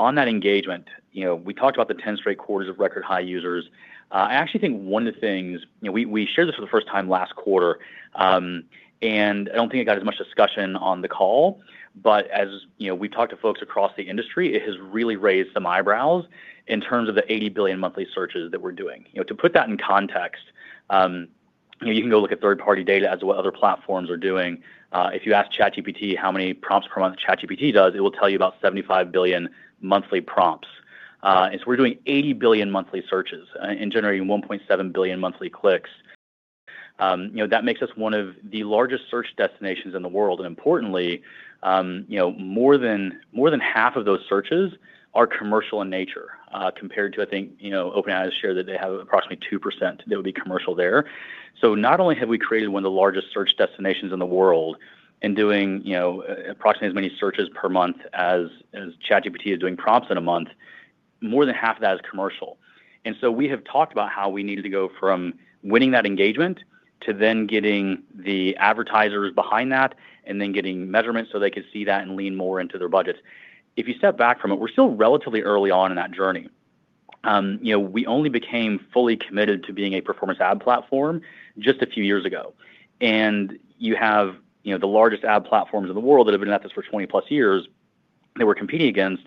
engagement, you know, we talked about the 10 straight quarters of record high users. I actually think one of the things. You know, we shared this for the first time last quarter, and I don't think it got as much discussion on the call, but as, you know, we talked to folks across the industry, it has really raised some eyebrows in terms of the 80 billion monthly searches that we're doing. You know, to put that in context, you know, you can go look at third-party data as to what other platforms are doing. If you ask ChatGPT how many prompts per month ChatGPT does, it will tell you about 75 billion monthly prompts. And so we're doing 80 billion monthly searches and generating 1.7 billion monthly clicks. You know, that makes us one of the largest search destinations in the world. And importantly, you know, more than, more than half of those searches are commercial in nature, compared to, I think, you know, OpenAI share that they have approximately 2% that would be commercial there. So not only have we created one of the largest search destinations in the world and doing, you know, approximately as many searches per month as ChatGPT is doing prompts in a month, more than half of that is commercial. So we have talked about how we needed to go from winning that engagement to then getting the advertisers behind that, and then getting measurements so they could see that and lean more into their budgets. If you step back from it, we're still relatively early on in that journey. You know, we only became fully committed to being a performance ad platform just a few years ago. You have, you know, the largest ad platforms in the world that have been at this for 20+ years that we're competing against.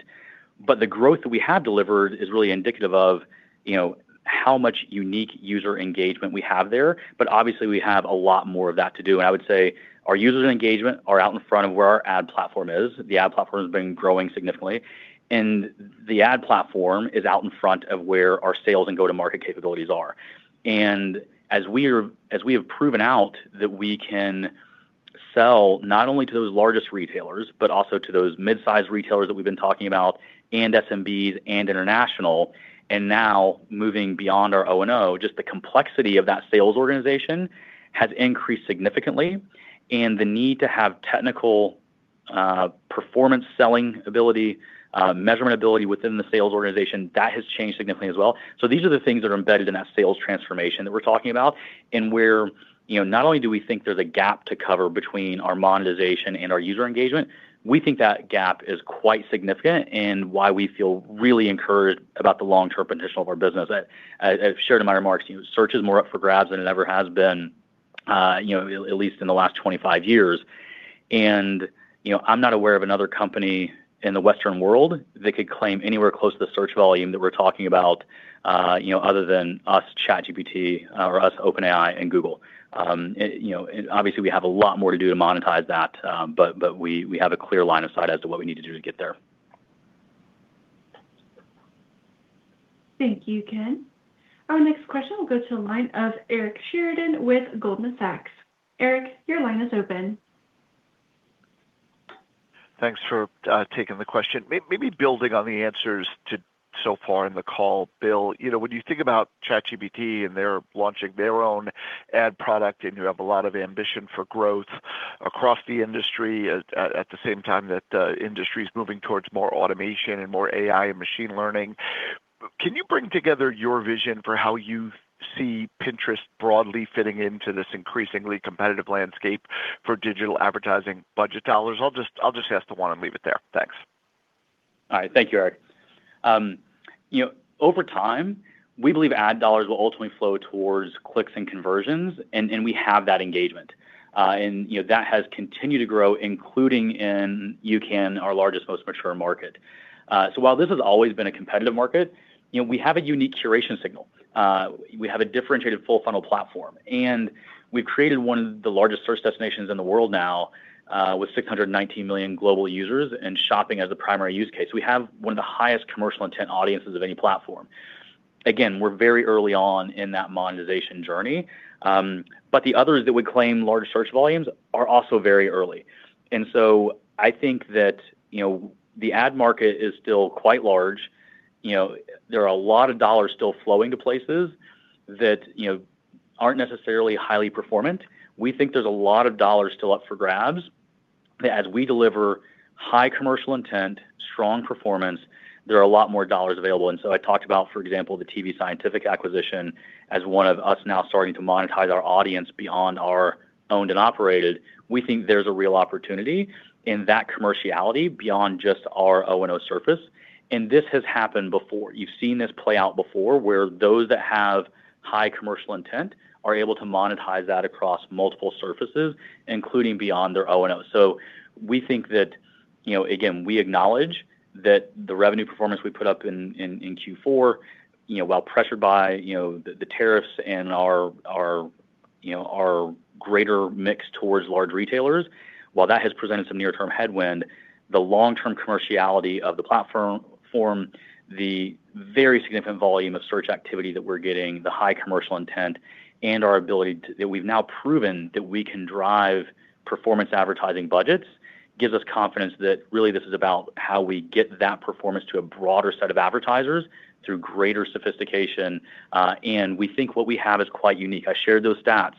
But the growth that we have delivered is really indicative of, you know, how much unique user engagement we have there. But obviously, we have a lot more of that to do. And I would say our user engagement are out in front of where our ad platform is. The ad platform has been growing significantly, and the ad platform is out in front of where our sales and go-to-market capabilities are. And as we have proven out that we can sell not only to those largest retailers, but also to those mid-size retailers that we've been talking about, and SMBs and international, and now moving beyond our O&O, just the complexity of that sales organization has increased significantly. And the need to have technical, performance, selling ability, measurement ability within the sales organization, that has changed significantly as well. So these are the things that are embedded in that sales transformation that we're talking about, and where, you know, not only do we think there's a gap to cover between our monetization and our user engagement, we think that gap is quite significant and why we feel really encouraged about the long-term potential of our business. As I've shared in my remarks, search is more up for grabs than it ever has been, you know, at least in the last 25 years. And, you know, I'm not aware of another company in the Western world that could claim anywhere close to the search volume that we're talking about, you know, other than us, ChatGPT, or us, OpenAI and Google. You know, and obviously, we have a lot more to do to monetize that, but we have a clear line of sight as to what we need to do to get there.
Thank you, Ken. Our next question will go to the line of Eric Sheridan with Goldman Sachs. Eric, your line is open.
Thanks for taking the question. Maybe building on the answers so far in the call, Bill, you know, when you think about ChatGPT, and they're launching their own ad product, and you have a lot of ambition for growth across the industry, at the same time that the industry is moving towards more automation and more AI and machine learning, can you bring together your vision for how you see Pinterest broadly fitting into this increasingly competitive landscape for digital advertising budget dollars? I'll just ask the one and leave it there. Thanks.
All right. Thank you, Eric. You know, over time, we believe ad dollars will ultimately flow towards clicks and conversions, and we have that engagement. And, you know, that has continued to grow, including in U.K., our largest, most mature market. So while this has always been a competitive market, you know, we have a unique curation signal. We have a differentiated full-funnel platform, and we've created one of the largest search destinations in the world now, with 619 million global users, and shopping as a primary use case. We have one of the highest commercial intent audiences of any platform. Again, we're very early on in that monetization journey. But the others that we claim large search volumes are also very early. And so I think that, you know, the ad market is still quite large. You know, there are a lot of dollars still flowing to places that, you know, aren't necessarily highly performant. We think there's a lot of dollars still up for grabs. As we deliver high commercial intent, strong performance, there are a lot more dollars available. And so I talked about, for example, the tvScientific acquisition as one of us now starting to monetize our audience beyond our owned and operated. We think there's a real opportunity in that commerciality beyond just our O&O surface, and this has happened before. You've seen this play out before, where those that have high commercial intent are able to monetize that across multiple surfaces, including beyond their O&O. So we think that, you know. Again, we acknowledge that the revenue performance we put up in Q4, you know, while pressured by, you know, the tariffs and our you know, our greater mix towards large retailers. While that has presented some near-term headwind, the long-term commerciality of the platform from the very significant volume of search activity that we're getting, the high commercial intent, and our ability to that we've now proven that we can drive performance advertising budgets, gives us confidence that really this is about how we get that performance to a broader set of advertisers through greater sophistication, and we think what we have is quite unique. I shared those stats.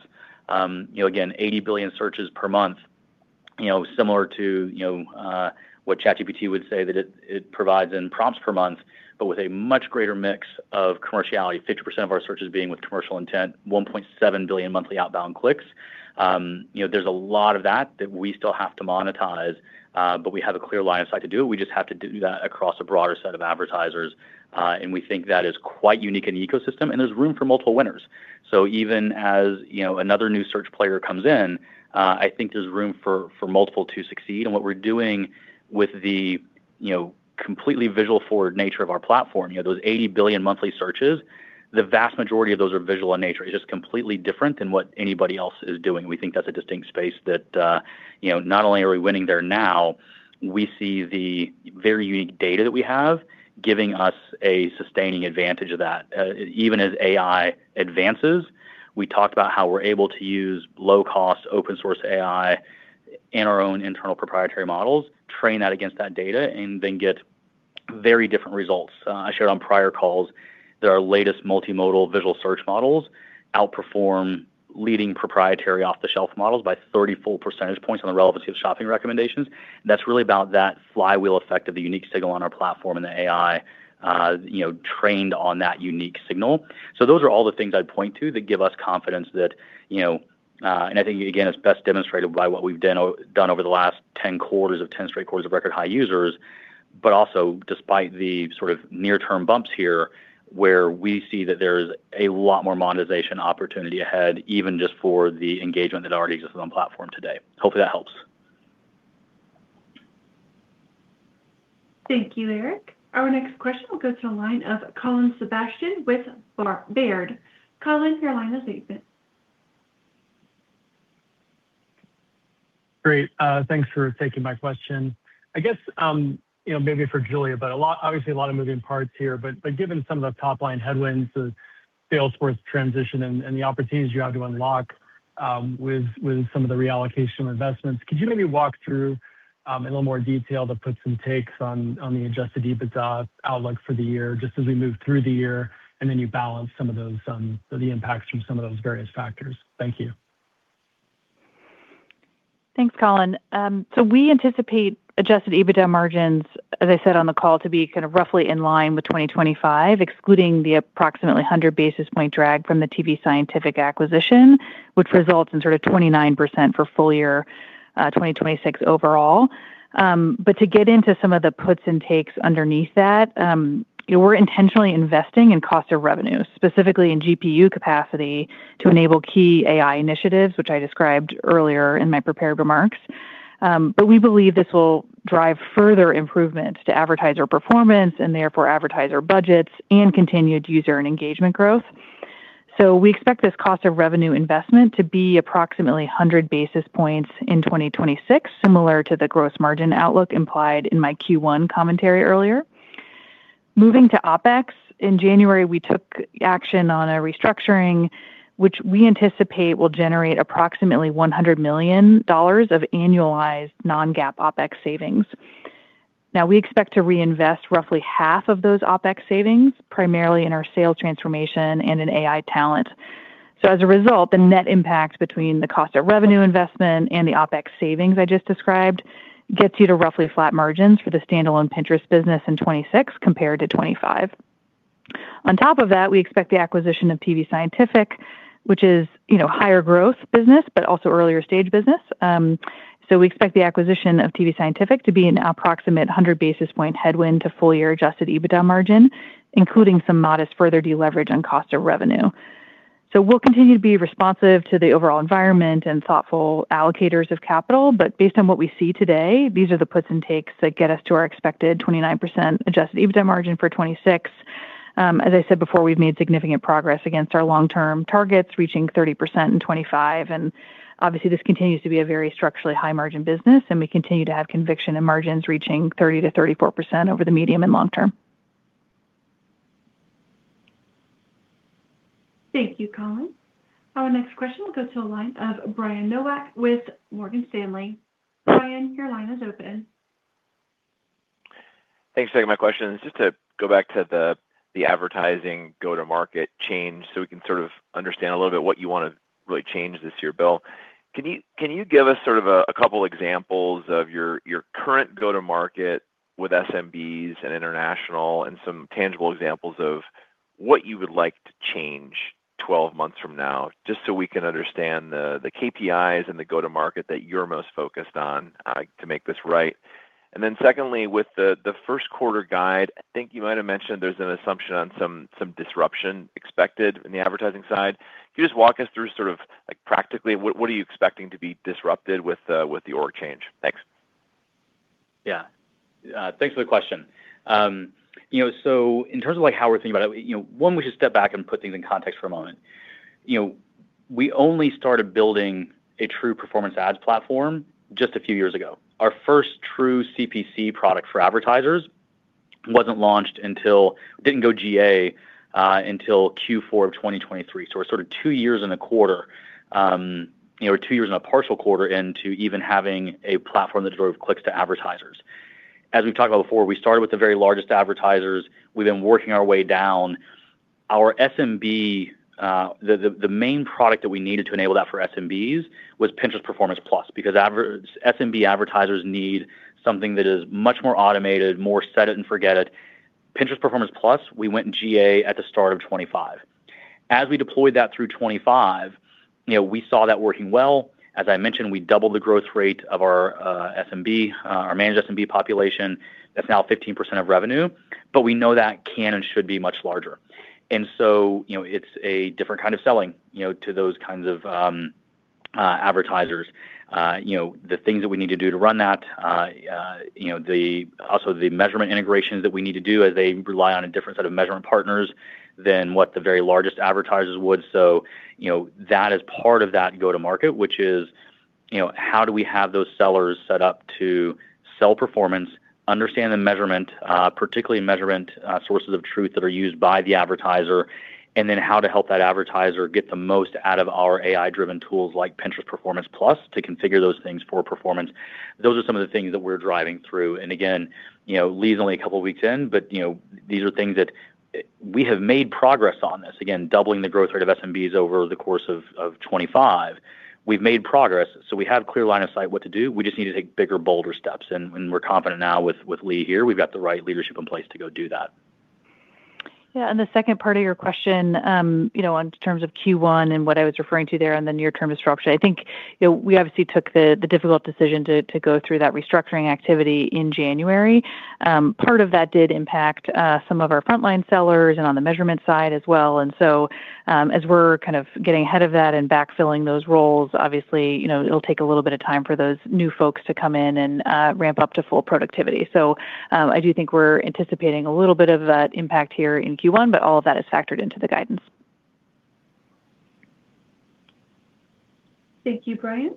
You know, again, 80 billion searches per month, you know, similar to, you know, what ChatGPT would say, that it, it provides in prompts per month, but with a much greater mix of commerciality, 50% of our searches being with commercial intent, 1.7 billion monthly outbound clicks. You know, there's a lot of that that we still have to monetize, but we have a clear line of sight to do it. We just have to do that across a broader set of advertisers, and we think that is quite unique in the ecosystem, and there's room for multiple winners. So even as, you know, another new search player comes in, I think there's room for, for multiple to succeed. What we're doing with the, you know, completely visual-forward nature of our platform, you know, those 80 billion monthly searches, the vast majority of those are visual in nature. It's just completely different than what anybody else is doing. We think that's a distinct space that, you know, not only are we winning there now, we see the very unique data that we have, giving us a sustaining advantage of that. Even as AI advances, we talked about how we're able to use low-cost, open source AI in our own internal proprietary models, train that against that data, and then get very different results. I shared on prior calls that our latest multimodal visual search models outperform leading proprietary off-the-shelf models by 30 full percentage points on the relevancy of shopping recommendations. That's really about that flywheel effect of the unique signal on our platform and the AI, you know, trained on that unique signal. So those are all the things I'd point to that give us confidence that, you know. And I think, again, it's best demonstrated by what we've done over the last 10 quarters of 10 straight quarters of record high users, but also despite the sort of near-term bumps here, where we see that there's a lot more monetization opportunity ahead, even just for the engagement that already exists on platform today. Hopefully, that helps.
Thank you, Eric. Our next question will go to the line of Colin Sebastian with Baird. Colin, your line is open.
Great. Thanks for taking my question. I guess, you know, maybe for Julia, but a lot—obviously, a lot of moving parts here, but, but given some of the top-line headwinds, the sales force transition and, and the opportunities you have to unlock, with, with some of the reallocation of investments, could you maybe walk through, a little more detail to put some takes on, on the Adjusted EBITDA outlook for the year, just as we move through the year, and then you balance some of those, the impacts from some of those various factors? Thank you.
Thanks, Colin. So we anticipate Adjusted EBITDA margins, as I said on the call, to be kind of roughly in line with 2025, excluding the approximately 100 basis point drag from the tvScientific acquisition, which results in sort of 29% for full year 2026 overall. But to get into some of the puts and takes underneath that, we're intentionally investing in cost of revenue, specifically in GPU capacity, to enable key AI initiatives, which I described earlier in my prepared remarks. But we believe this will drive further improvement to advertiser performance and therefore advertiser budgets and continued user and engagement growth. So we expect this cost of revenue investment to be approximately 100 basis points in 2026, similar to the gross margin outlook implied in my Q1 commentary earlier. Moving to OpEx, in January, we took action on a restructuring, which we anticipate will generate approximately $100 million of annualized non-GAAP OpEx savings. Now, we expect to reinvest roughly half of those OpEx savings, primarily in our sales transformation and in AI talent. So as a result, the net impact between the cost of revenue investment and the OpEx savings I just described, gets you to roughly flat margins for the standalone Pinterest business in 2026 compared to 2025. On top of that, we expect the acquisition of tvScientific, which is, you know, higher growth business, but also earlier stage business. So we expect the acquisition of tvScientific to be an approximate 100 basis point headwind to full-year adjusted EBITDA margin, including some modest further deleverage on cost of revenue. So we'll continue to be responsive to the overall environment and thoughtful allocators of capital, but based on what we see today, these are the puts and takes that get us to our expected 29% adjusted EBITDA margin for 2026. As I said before, we've made significant progress against our long-term targets, reaching 30% in 2025, and obviously this continues to be a very structurally high margin business, and we continue to have conviction in margins reaching 30%-34% over the medium and long term.
Thank you, Colin. Our next question will go to the line of Brian Nowak with Morgan Stanley. Brian, your line is open.
Thanks for taking my questions. Just to go back to the advertising go-to-market change, so we can sort of understand a little bit what you want to really change this year, Bill. Can you give us sort of a couple examples of your current go-to market with SMBs and international and some tangible examples of what you would like to change 12 months from now, just so we can understand the KPIs and the go-to market that you're most focused on to make this right? And then secondly, with the first quarter guide, I think you might have mentioned there's an assumption on some disruption expected in the advertising side. Can you just walk us through sort of, like, practically, what are you expecting to be disrupted with the org change? Thanks.
Yeah. Thanks for the question. You know, so in terms of, like, how we're thinking about it, you know, one, we should step back and put things in context for a moment. You know, we only started building a true performance ads platform just a few years ago. Our first true CPC product for advertisers wasn't launched until. Didn't go GA until Q4 of 2023. So we're sort of two years and a quarter, you know, or two years and a partial quarter into even having a platform that delivers clicks to advertisers. As we've talked about before, we started with the very largest advertisers. We've been working our way down. Our SMB, the main product that we needed to enable that for SMBs was Pinterest Performance+, because SMB advertisers need something that is much more automated, more set it and forget it. Pinterest Performance+, we went in GA at the start of 2025. As we deployed that through 2025, you know, we saw that working well. As I mentioned, we doubled the growth rate of our SMB, our managed SMB population. That's now 15% of revenue, but we know that can and should be much larger. And so, you know, it's a different kind of selling, you know, to those kinds of advertisers. You know, the things that we need to do to run that, you know, the. Also, the measurement integrations that we need to do as they rely on a different set of measurement partners than what the very largest advertisers would. So, you know, that is part of that go-to-market, which is, you know, how do we have those sellers set up to sell performance, understand the measurement, particularly measurement sources of truth that are used by the advertiser, and then how to help that advertiser get the most out of our AI-driven tools like Pinterest Performance+, to configure those things for performance. Those are some of the things that we're driving through. And again, you know, Lee's only a couple of weeks in, but, you know, these are things that we have made progress on this. Again, doubling the growth rate of SMBs over the course of 25. We've made progress, so we have clear line of sight what to do. We just need to take bigger, bolder steps, and we're confident now with Lee here, we've got the right leadership in place to go do that.
Yeah, and the second part of your question, you know, in terms of Q1 and what I was referring to there and the near-term structure, I think, you know, we obviously took the, the difficult decision to, to go through that restructuring activity in January. Part of that did impact, some of our frontline sellers and on the measurement side as well. And so, as we're kind of getting ahead of that and backfilling those roles, obviously, you know, it'll take a little bit of time for those new folks to come in and, ramp up to full productivity. So, I do think we're anticipating a little bit of that impact here in Q1, but all of that is factored into the guidance.
Thank you, Brian.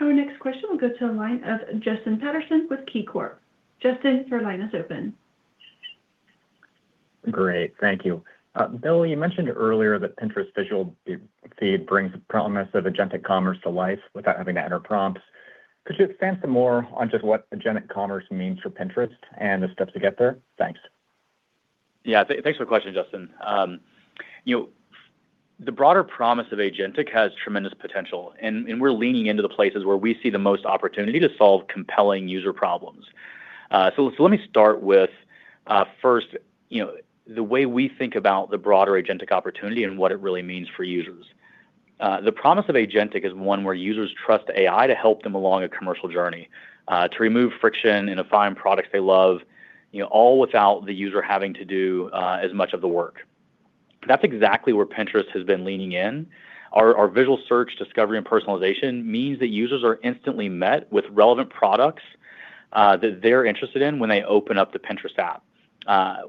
Our next question will go to the line of Justin Patterson with KeyCorp. Justin, your line is open.
Great, thank you. Bill, you mentioned earlier that Pinterest visual feed brings the promise of agentic commerce to life without having to enter prompts. Could you expand some more on just what agentic commerce means for Pinterest and the steps to get there? Thanks.
Yeah, thanks for the question, Justin. You know, the broader promise of agentic has tremendous potential, and we're leaning into the places where we see the most opportunity to solve compelling user problems. So let me start with first, you know, the way we think about the broader agentic opportunity and what it really means for users. The promise of agentic is one where users trust AI to help them along a commercial journey, to remove friction and to find products they love, you know, all without the user having to do as much of the work. That's exactly where Pinterest has been leaning in. Our visual search, discovery, and personalization means that users are instantly met with relevant products. That they're interested in when they open up the Pinterest app.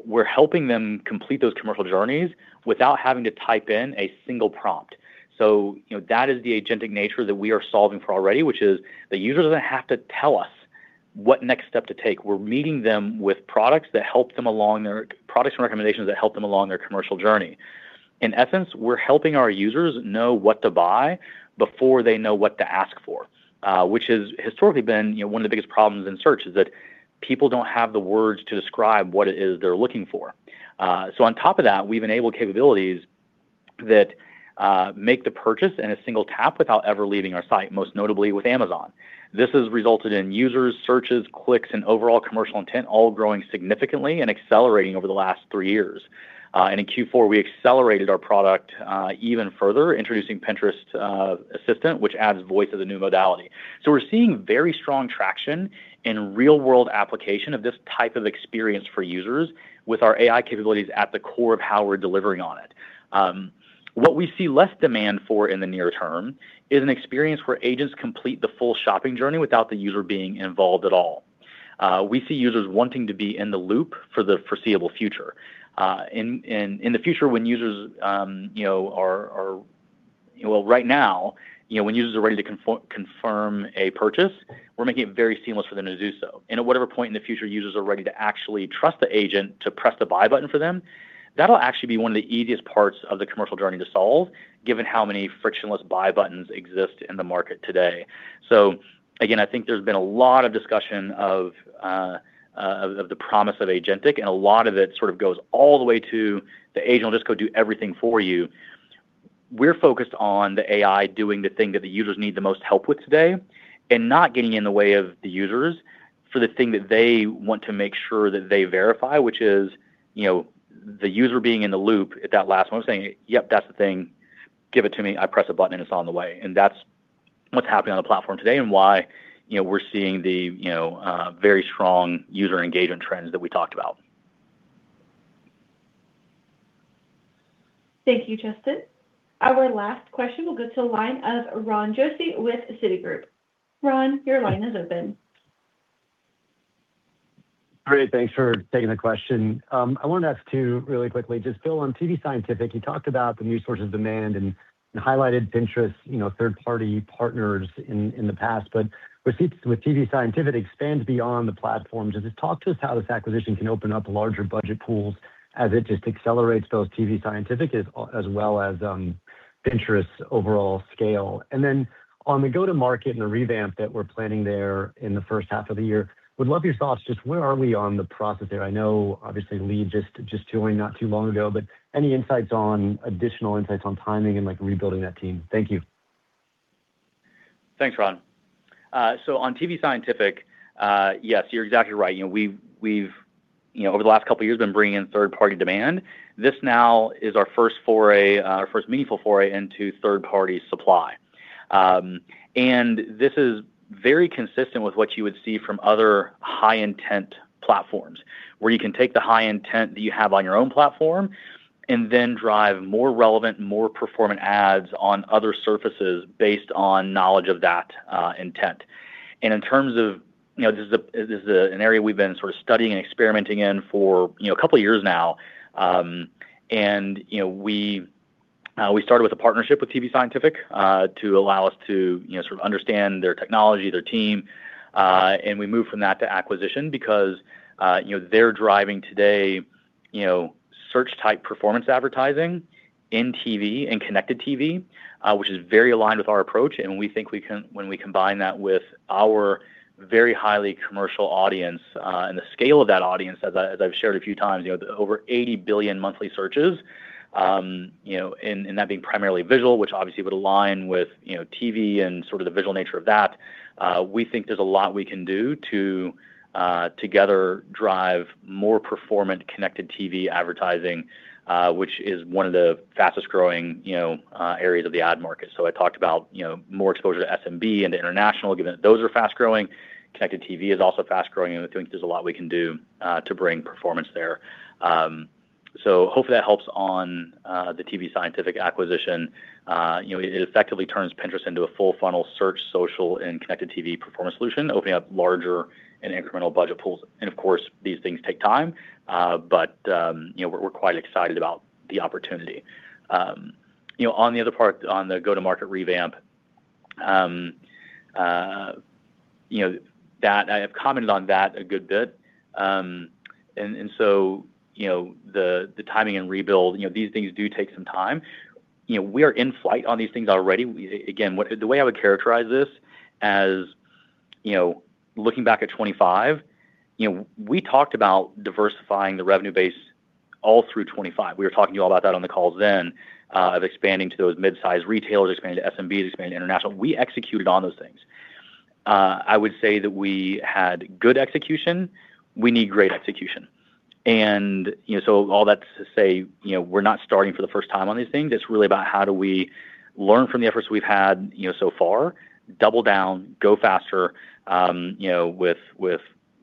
We're helping them complete those commercial journeys without having to type in a single prompt. So, you know, that is the agentic nature that we are solving for already, which is the user doesn't have to tell us what next step to take. We're meeting them with products and recommendations that help them along their commercial journey. In essence, we're helping our users know what to buy before they know what to ask for, which has historically been, you know, one of the biggest problems in search, is that people don't have the words to describe what it is they're looking for. So on top of that, we've enabled capabilities that make the purchase in a single tap without ever leaving our site, most notably with Amazon. This has resulted in users, searches, clicks, and overall commercial intent, all growing significantly and accelerating over the last three years. And in Q4, we accelerated our product even further, introducing Pinterest Assistant, which adds voice as a new modality. So we're seeing very strong traction and real-world application of this type of experience for users with our AI capabilities at the core of how we're delivering on it. What we see less demand for in the near term is an experience where agents complete the full shopping journey without the user being involved at all. We see users wanting to be in the loop for the foreseeable future. And in the future, when users, you know, are. Well, right now, you know, when users are ready to confirm a purchase, we're making it very seamless for them to do so. At whatever point in the future users are ready to actually trust the agent to press the buy button for them, that'll actually be one of the easiest parts of the commercial journey to solve, given how many frictionless buy buttons exist in the market today. So again, I think there's been a lot of discussion of the promise of agentic, and a lot of it sort of goes all the way to the agent will just go do everything for you. We're focused on the AI doing the thing that the users need the most help with today and not getting in the way of the users for the thing that they want to make sure that they verify, which is, you know, the user being in the loop at that last one, saying, "Yep, that's the thing. Give it to me." I press a button, and it's on the way. That's what's happening on the platform today and why, you know, we're seeing the, you know, very strong user engagement trends that we talked about.
Thank you, Justin. Our last question will go to the line of Ron Josey with Citigroup. Ron, your line is open.
Great. Thanks for taking the question. I wanted to ask you really quickly, just build on tvScientific. You talked about the new sources of demand and highlighted Pinterest, you know, third-party partners in the past, but reach with tvScientific expands beyond the platform. Just talk to us how this acquisition can open up larger budget pools as it just accelerates those tvScientific assets as well as Pinterest's overall scale. And then on the go-to-market and the revamp that we're planning there in the first half of the year, would love your thoughts. Just where are we on the process there? I know, obviously, Lee just joined not too long ago, but any additional insights on timing and, like, rebuilding that team? Thank you.
Thanks, Ron. So on tvScientific, yes, you're exactly right. You know, we've, we've, you know, over the last couple of years, been bringing in third-party demand. This now is our first foray, our first meaningful foray into third-party supply. And this is very consistent with what you would see from other high-intent platforms, where you can take the high intent that you have on your own platform and then drive more relevant and more performant ads on other surfaces based on knowledge of that, intent. And in terms of, you know, this is an area we've been sort of studying and experimenting in for, you know, a couple of years now. You know, we started with a partnership with tvScientific to allow us to, you know, sort of understand their technology, their team, and we moved from that to acquisition because, you know, they're driving today, you know, search-type performance advertising in TV and Connected TV, which is very aligned with our approach. And we think, when we combine that with our very highly commercial audience, and the scale of that audience, as I, as I've shared a few times, you know, over 80 billion monthly searches, you know, and, and that being primarily visual, which obviously would align with, you know, TV and sort of the visual nature of that, we think there's a lot we can do to, together drive more performant Connected TV advertising, which is one of the fastest-growing, you know, areas of the ad market. So I talked about, you know, more exposure to SMB and to international, given that those are fast-growing. Connected TV is also fast-growing, and I think there's a lot we can do to bring performance there. So hopefully that helps on the tvScientific acquisition. You know, it effectively turns Pinterest into a full-funnel search, social, and Connected TV performance solution, opening up larger and incremental budget pools. And of course, these things take time, but you know, we're quite excited about the opportunity. You know, on the other part, on the go-to-market revamp, you know, that I have commented on a good bit. And so, you know, the timing and rebuild, you know, these things do take some time. You know, we are in flight on these things already. Again, the way I would characterize this as, you know, looking back at 25, you know, we talked about diversifying the revenue base all through 25. We were talking to you all about that on the calls then of expanding to those mid-sized retailers, expanding to SMBs, expanding international. We executed on those things. I would say that we had good execution. We need great execution. You know, so all that's to say, you know, we're not starting for the first time on these things. It's really about how do we learn from the efforts we've had, you know, so far, double down, go faster, you know, with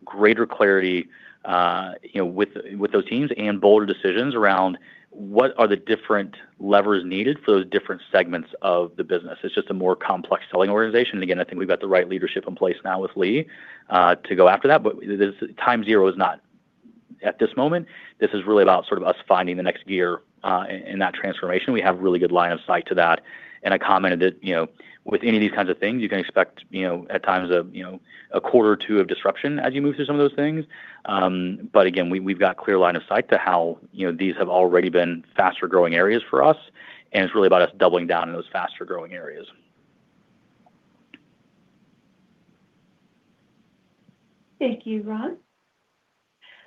greater clarity, you know, with those teams, and bolder decisions around what are the different levers needed for those different segments of the business. It's just a more complex selling organization. Again, I think we've got the right leadership in place now with Lee to go after that, but this time zero is not at this moment. This is really about sort of us finding the next gear in that transformation. We have really good line of sight to that, and I commented that, you know, with any of these kinds of things, you can expect, you know, at times a, you know, a quarter or two of disruption as you move through some of those things. But again, we, we've got clear line of sight to how, you know, these have already been faster-growing areas for us, and it's really about us doubling down in those faster-growing areas.
Thank you, Ron.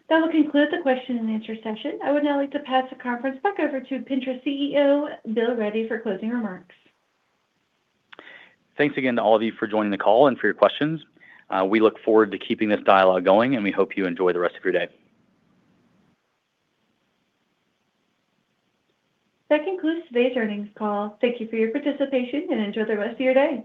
That will conclude the question-and-answer session. I would now like to pass the conference back over to Pinterest CEO, Bill Ready, for closing remarks.
Thanks again to all of you for joining the call and for your questions. We look forward to keeping this dialogue going, and we hope you enjoy the rest of your day.
That concludes today's earnings call. Thank you for your participation, and enjoy the rest of your day.